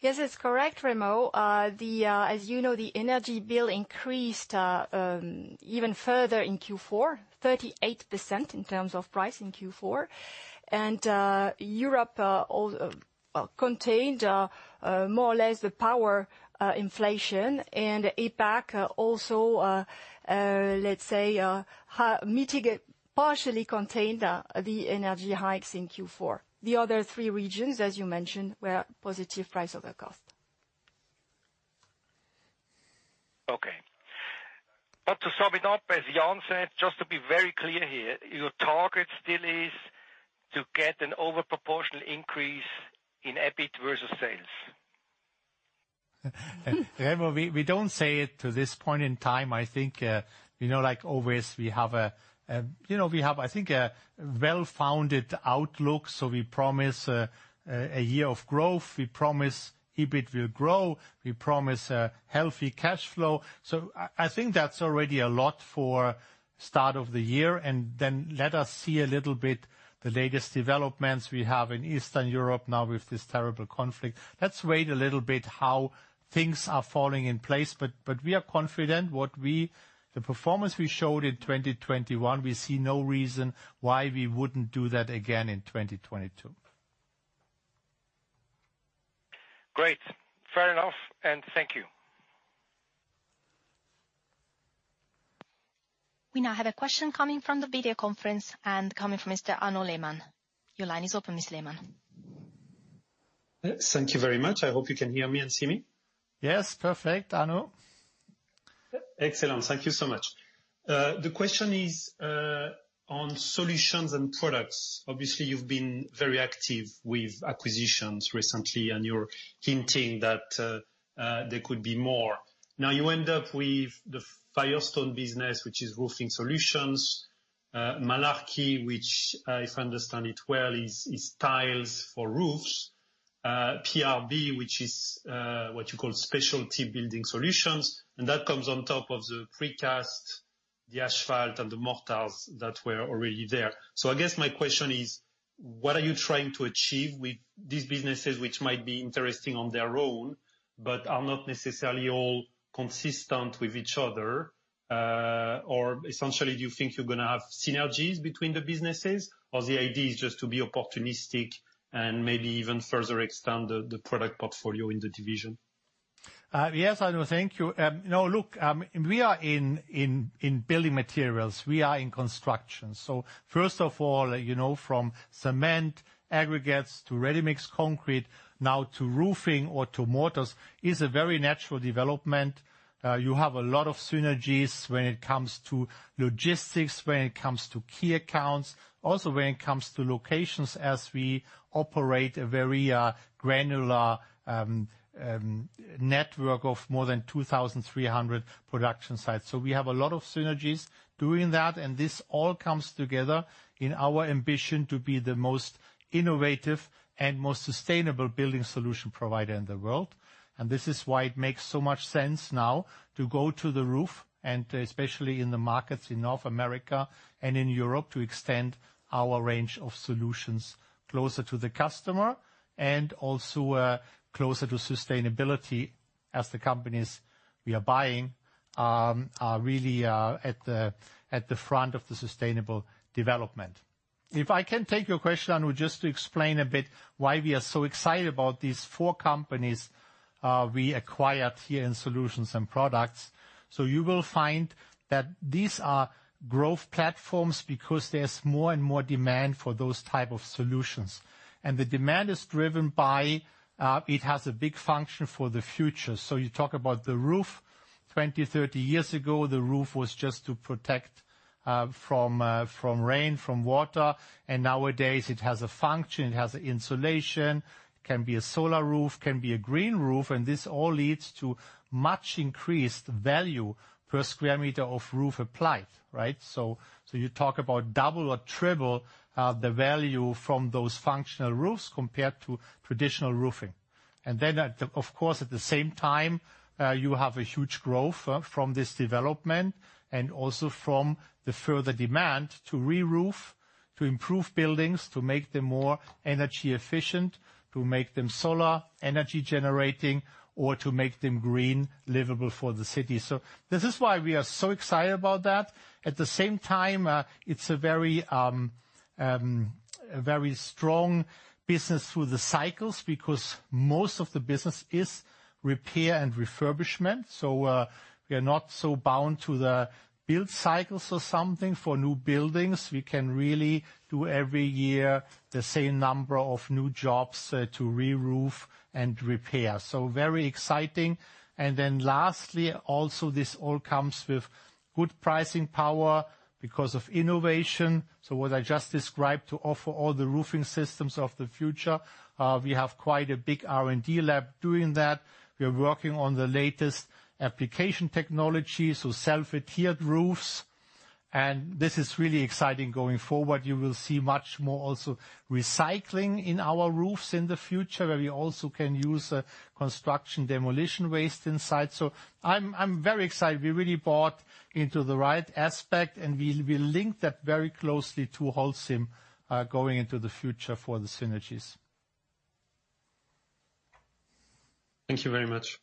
Yes, it's correct, Remo. As you know, the energy bill increased even further in Q4, 38% in terms of price in Q4. Europe contained more or less the power inflation. APAC also, let's say, partially contained the energy hikes in Q4. The other three regions, as you mentioned, were positive price over cost. Okay. To sum it up, as Jan said, just to be very clear here, your target still is to get an overproportional increase in EBIT versus sales. Remo, we don't say it to this point in time. I think, you know, like always, we have, I think, a well-founded outlook. We promise a year of growth. We promise EBIT will grow. We promise a healthy cash flow. I think that's already a lot for start of the year. Then let us see a little bit the latest developments we have in Eastern Europe now with this terrible conflict. Let's wait a little bit how things are falling in place. We are confident the performance we showed in 2021, we see no reason why we wouldn't do that again in 2022. Great. Fair enough, and thank you. We now have a question coming from the video conference and coming from Mr. Arnaud Lehmann. Your line is open, Mr. Lehmann. Thank you very much. I hope you can hear me and see me. Yes, perfect, Arnaud. Excellent. Thank you so much. The question is on Solutions and Products. Obviously, you've been very active with acquisitions recently, and you're hinting that there could be more. Now you end up with the Firestone business, which is roofing solutions, Malarkey, which, if I understand it well, is tiles for roofs, PRB, which is what you call specialty building solutions. And that comes on top of the Precast, the Asphalt, and the Mortars that were already there. I guess my question is, what are you trying to achieve with these businesses, which might be interesting on their own, but are not necessarily all consistent with each other? Or essentially, do you think you're gonna have synergies between the businesses, or the idea is just to be opportunistic and maybe even further extend the product portfolio in the division? Yes, Arnaud. Thank you. You know, look, we are in building materials. We are in construction. First of all, you know, from cement, aggregates, to ready-mix concrete, now to roofing or to mortars, is a very natural development. You have a lot of synergies when it comes to logistics, when it comes to key accounts. Also, when it comes to locations, as we operate a very granular network of more than 2,300 production sites. We have a lot of synergies doing that, and this all comes together in our ambition to be the most innovative and most sustainable building solution provider in the world. This is why it makes so much sense now to go to the roof, and especially in the markets in North America and in Europe, to extend our range of solutions closer to the customer and also closer to sustainability. As the companies we are buying are really at the front of the sustainable development. If I can take your question, and we just explain a bit why we are so excited about these four companies we acquired here in Solutions & Products. You will find that these are growth platforms because there's more and more demand for those type of solutions. The demand is driven by it has a big function for the future. You talk about the roof. 20, 30 years ago, the roof was just to protect from rain, from water. Nowadays it has a function, it has insulation, can be a solar roof, can be a green roof, and this all leads to much increased value per square meter of roof applied, right? You talk about double or triple the value from those functional roofs compared to traditional roofing. Of course, at the same time, you have a huge growth from this development and also from the further demand to reroof, to improve buildings, to make them more energy efficient, to make them solar, energy generating, or to make them green livable for the city. This is why we are so excited about that. At the same time, it's a very strong business through the cycles, because most of the business is repair and refurbishment. We are not so bound to the build cycles or something for new buildings. We can really do every year the same number of new jobs to reroof and repair. Very exciting. Then lastly, also, this all comes with good pricing power because of innovation. What I just described to offer all the roofing systems of the future, we have quite a big R&D lab doing that. We are working on the latest application technology, so self-adhered roofs. This is really exciting going forward. You will see much more also recycling in our roofs in the future, where we also can use construction demolition waste inside. I'm very excited. We really bought into the right aspect, and we'll link that very closely to Holcim going into the future for the synergies. Thank you very much.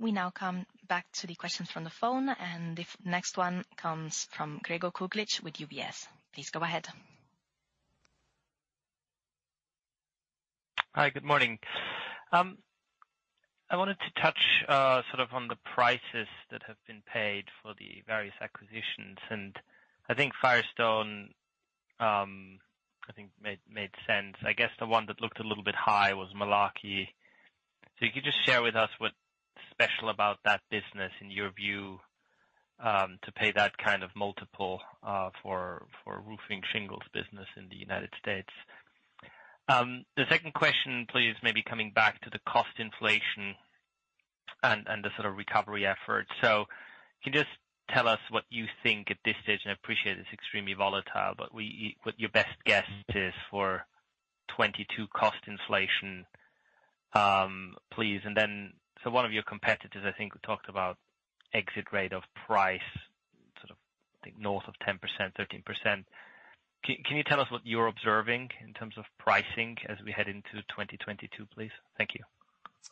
We now come back to the questions from the phone, and the next one comes from Gregor Kuglitsch with UBS. Please go ahead. Hi, good morning. I wanted to touch sort of on the prices that have been paid for the various acquisitions, and I think Firestone made sense. I guess the one that looked a little bit high was Malarkey. You could just share with us what's special about that business in your view to pay that kind of multiple for roofing shingles business in the United States. The second question, please, maybe coming back to the cost inflation and the sort of recovery effort. Can you just tell us what you think at this stage, and I appreciate it's extremely volatile, but what your best guess is for 2022 cost inflation, please. One of your competitors, I think, talked about exit rate of price, sort of, I think, north of 10%, 13%. Can you tell us what you're observing in terms of pricing as we head into 2022, please? Thank you.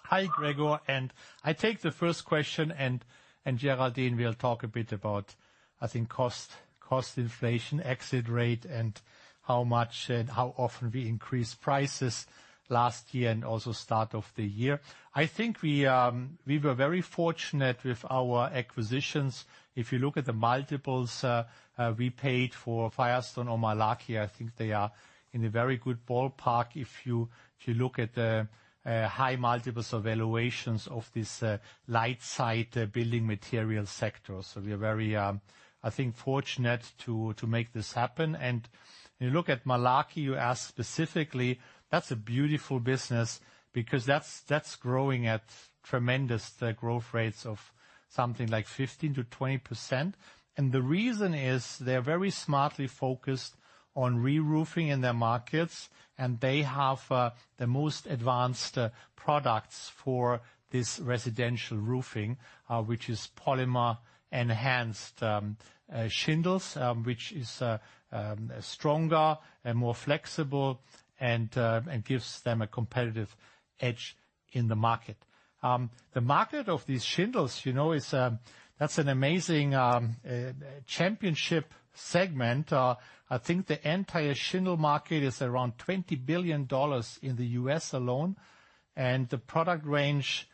Hi, Gregor, and I take the first question, and Géraldine will talk a bit about, I think, cost inflation, exit rate, and how much and how often we increase prices last year and also start of the year. I think we were very fortunate with our acquisitions. If you look at the multiples we paid for Firestone or Malarkey, I think they are in a very good ballpark if you look at the high multiples of valuations of this light building material sector. So we are very, I think, fortunate to make this happen. You look at Malarkey, you asked specifically, that's a beautiful business because that's growing at tremendous growth rates of something like 15%-20%. The reason is they're very smartly focused on reroofing in their markets, and they have the most advanced products for this residential roofing, which is polymer-enhanced shingles, which is stronger and more flexible and gives them a competitive edge in the market. The market of these shingles, you know, is that's an amazing championship segment. I think the entire shingle market is around $20 billion in the U.S. alone. The product range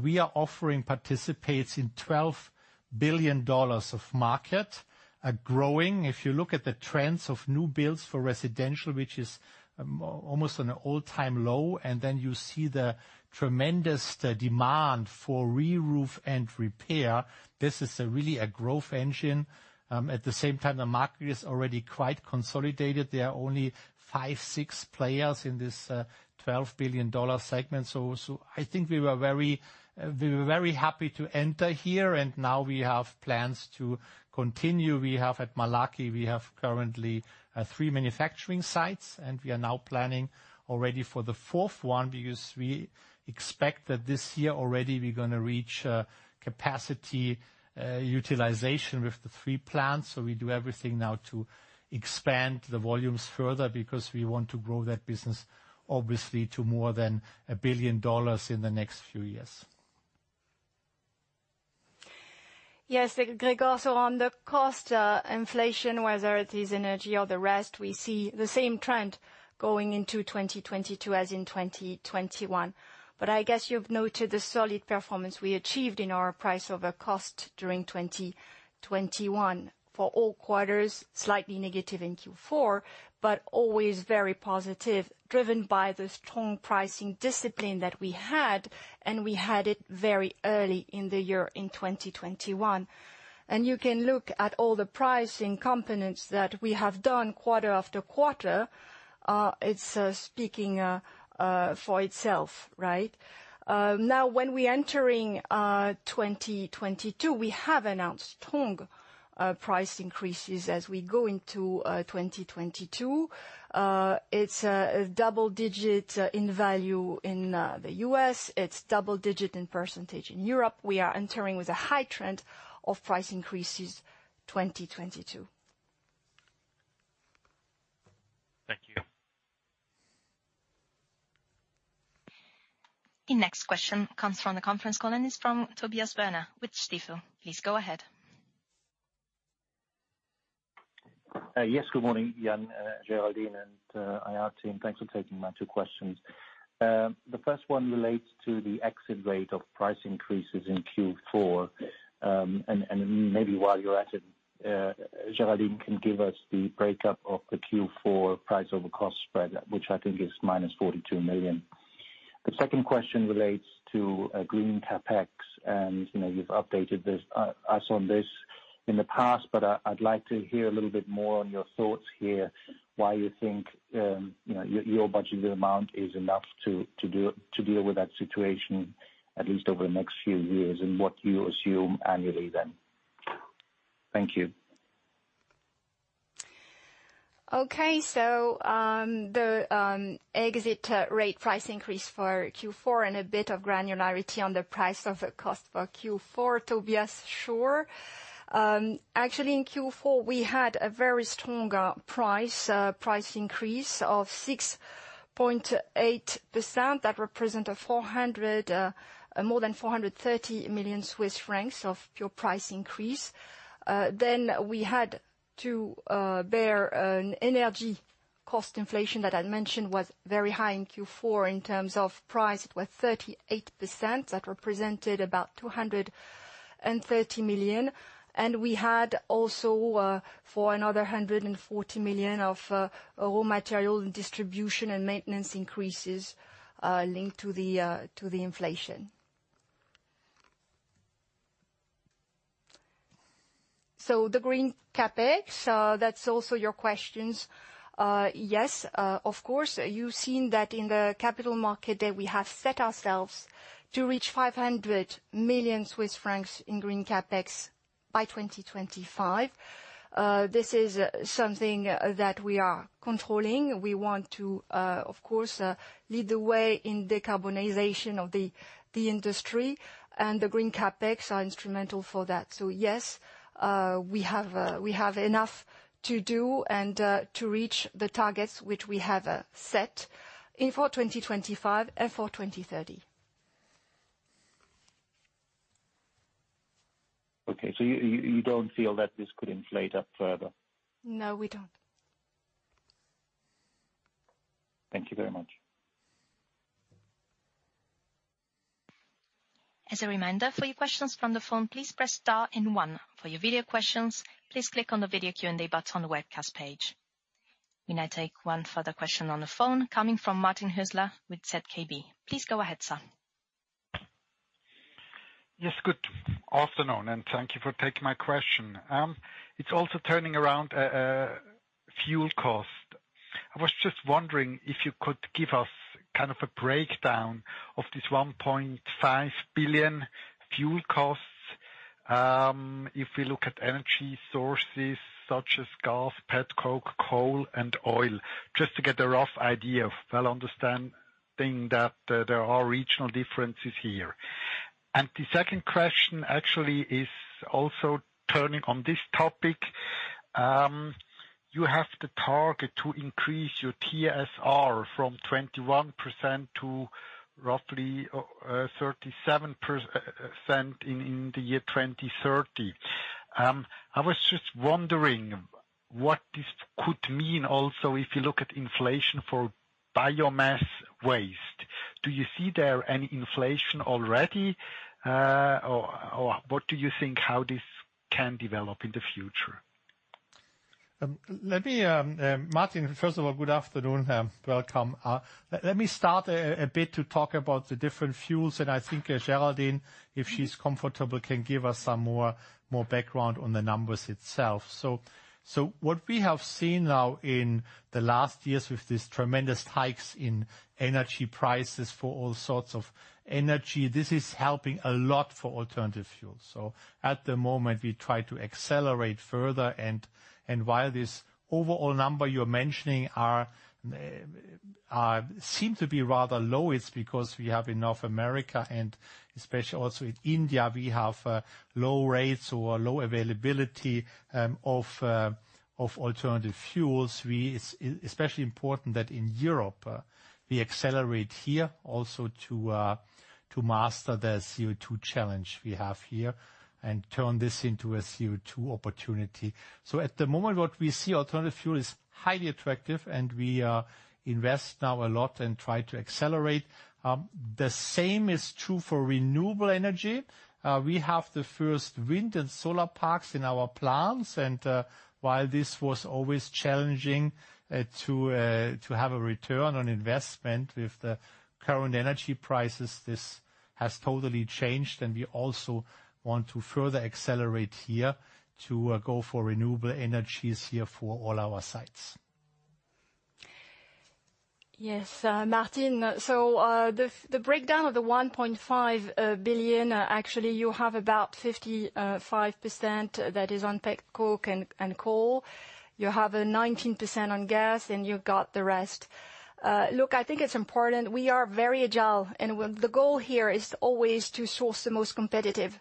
we are offering participates in $12 billion of market growing. If you look at the trends of new builds for residential, which is almost an all-time low, and then you see the tremendous demand for reroof and repair, this is really a growth engine. At the same time, the market is already quite consolidated. There are only five, six players in this $12 billion segment. I think we were very happy to enter here, and now we have plans to continue. We have at Malarkey, we have currently three manufacturing sites, and we are now planning already for the fourth one because we expect that this year already we're gonna reach capacity utilization with the three plants. We do everything now to expand the volumes further because we want to grow that business, obviously, to more than $1 billion in the next few years. Yes, Gregor, on the cost inflation, whether it is energy or the rest, we see the same trend going into 2022 as in 2021. I guess you've noted the solid performance we achieved in our price over cost during 2021 for all quarters, slightly negative in Q4, but always very positive, driven by the strong pricing discipline that we had, and we had it very early in the year in 2021. You can look at all the pricing components that we have done quarter after quarter. It's speaking for itself, right? Now when we entering 2022, we have announced strong price increases as we go into 2022. It's double-digit in value in the U.S., double-digit in percentage in Europe. We are entering with a high trend of price increases 2022. Thank you. The next question comes from the conference call and is from Tobias Woerner with Stifel. Please go ahead. Good morning, Jan, Géraldine, and IR team. Thanks for taking my two questions. The first one relates to the exit rate of price increases in Q4, and maybe while you're at it, Géraldine can give us the breakdown of the Q4 price over cost spread, which I think is -42 million. The second question relates to Green CapEx, and you know, you've updated us on this in the past, but I'd like to hear a little bit more on your thoughts here, why you think, you know, your budgeted amount is enough to deal with that situation at least over the next few years and what you assume annually then. Thank you. The exit rate price increase for Q4 and a bit of granularity on the price over cost for Q4, Tobias. Sure. Actually, in Q4, we had a very strong price increase of 6.8%. That represent more than 430 million Swiss francs of pure price increase. Then we had to bear an energy cost inflation that I'd mentioned was very high in Q4 in terms of price. It was 38%. That represented about 230 million. And we had also for another 140 million of raw material and distribution and maintenance increases linked to the inflation. The Green CapEx, that's also your questions. Yes, of course, you've seen that in the Capital Markets Day that we have set ourselves to reach 500 million Swiss francs in Green CapEx by 2025. This is something that we are controlling. We want to, of course, lead the way in decarbonization of the industry, and the Green CapEx are instrumental for that. Yes, we have enough to do and to reach the targets which we have set for 2025 and for 2030. Okay. You don't feel that this could inflate up further? No, we don't. Thank you very much. As a reminder, for your questions from the phone, please press star and one. For your video questions, please click on the video Q&A button on the webcast page. We now take one further question on the phone coming from Martin Hüsler with ZKB. Please go ahead, sir. Good afternoon, and thank you for taking my question. It's also turning to fuel costs. I was just wondering if you could give us kind of a breakdown of this 1.5 billion fuel costs, if we look at energy sources such as gas, petcoke, coal, and oil, just to get a rough idea of, well, understanding that there are regional differences here. The second question actually is also turning to this topic. You have the target to increase your TSR from 21% to roughly 37% in 2030. I was just wondering what this could mean also if you look at inflation for biomass waste. Do you see any inflation there already? Or what do you think how this can develop in the future? Martin, first of all, good afternoon and welcome. Let me start a bit to talk about the different fuels, and I think Géraldine, if she's comfortable, can give us some more background on the numbers itself. What we have seen now in the last years with these tremendous hikes in energy prices for all sorts of energy, this is helping a lot for alternative fuels. At the moment, we try to accelerate further and while this overall number you're mentioning are or seem to be rather low, it's because we have in North America, and especially also in India, we have low rates or low availability of alternative fuels. It's especially important that in Europe we accelerate here also to master the CO2 challenge we have here and turn this into a CO2 opportunity. At the moment, what we see alternative fuel is highly attractive and we invest now a lot and try to accelerate. The same is true for renewable energy. We have the first wind and solar parks in our plants. While this was always challenging to have a return on investment, with the current energy prices, this has totally changed. We also want to further accelerate here to go for renewable energies here for all our sites. Yes. Martin, so the breakdown of the 1.5 billion, actually you have about 55% that is on petcoke and coal. You have 19% on gas, and you've got the rest. Look, I think it's important, we are very agile, and the goal here is always to source the most competitive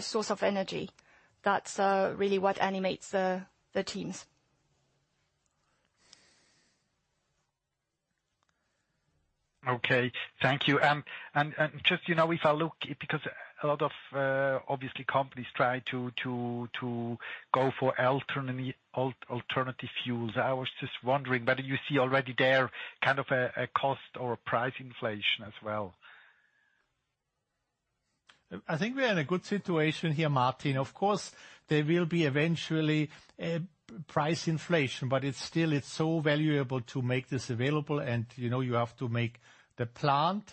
source of energy. That's really what animates the teams. Okay. Thank you. Just, you know, if I look, because a lot of obviously companies try to go for alternative fuels. I was just wondering whether you see already there kind of a cost or a price inflation as well. I think we're in a good situation here, Martin. Of course, there will be eventually a price inflation, but it's still, it's so valuable to make this available. You know, you have to make the plant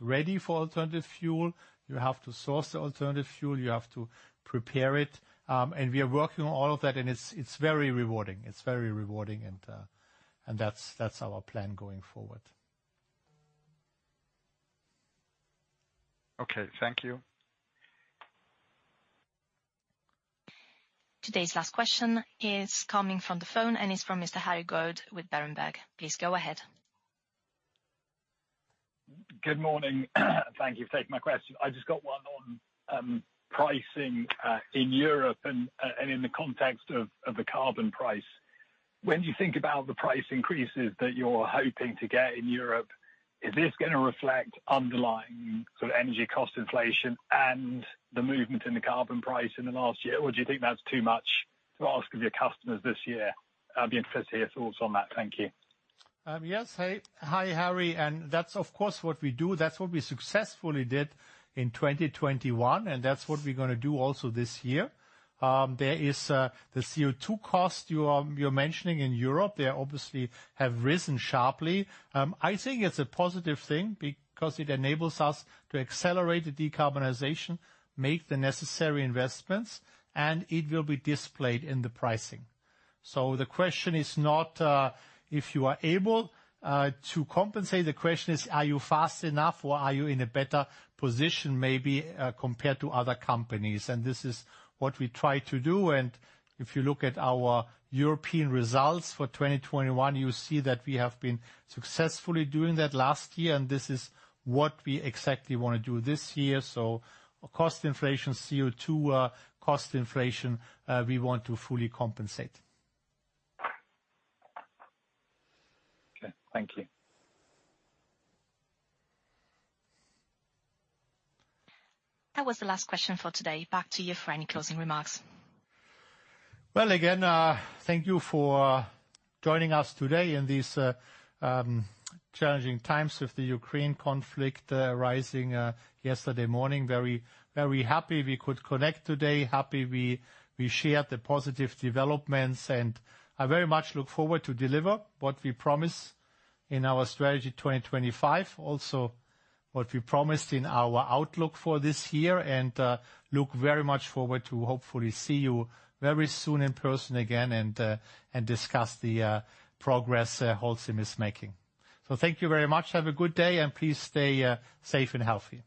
ready for alternative fuel. You have to source the alternative fuel. You have to prepare it. We are working on all of that, and it's very rewarding. It's very rewarding, and that's our plan going forward. Okay. Thank you. Today's last question is coming from the phone, and it's from Mr. Harry Goad with Berenberg. Please go ahead. Good morning. Thank you for taking my question. I just got one on pricing in Europe and in the context of the carbon price. When you think about the price increases that you're hoping to get in Europe, is this gonna reflect underlying sort of energy cost inflation and the movement in the carbon price in the last year? Or do you think that's too much to ask of your customers this year? I'd be interested to hear your thoughts on that. Thank you. Yes. Hey. Hi, Harry, and that's of course what we do. That's what we successfully did in 2021, and that's what we're gonna do also this year. There is the CO2 cost you're mentioning in Europe. They obviously have risen sharply. I think it's a positive thing because it enables us to accelerate the decarbonization, make the necessary investments, and it will be displayed in the pricing. So the question is not if you are able to compensate. The question is, are you fast enough, or are you in a better position maybe compared to other companies? If you look at our European results for 2021, you see that we have been successfully doing that last year, and this is what we exactly wanna do this year. Cost inflation, CO2, we want to fully compensate. Okay. Thank you. That was the last question for today. Back to you for any closing remarks. Well, again, thank you for joining us today in these challenging times with the Ukraine conflict arising yesterday morning. Very, very happy we could connect today. Happy we shared the positive developments, and I very much look forward to deliver what we promise in our Strategy 2025. Also what we promised in our outlook for this year and look very much forward to hopefully see you very soon in person again and discuss the progress Holcim is making. Thank you very much. Have a good day, and please stay safe and healthy.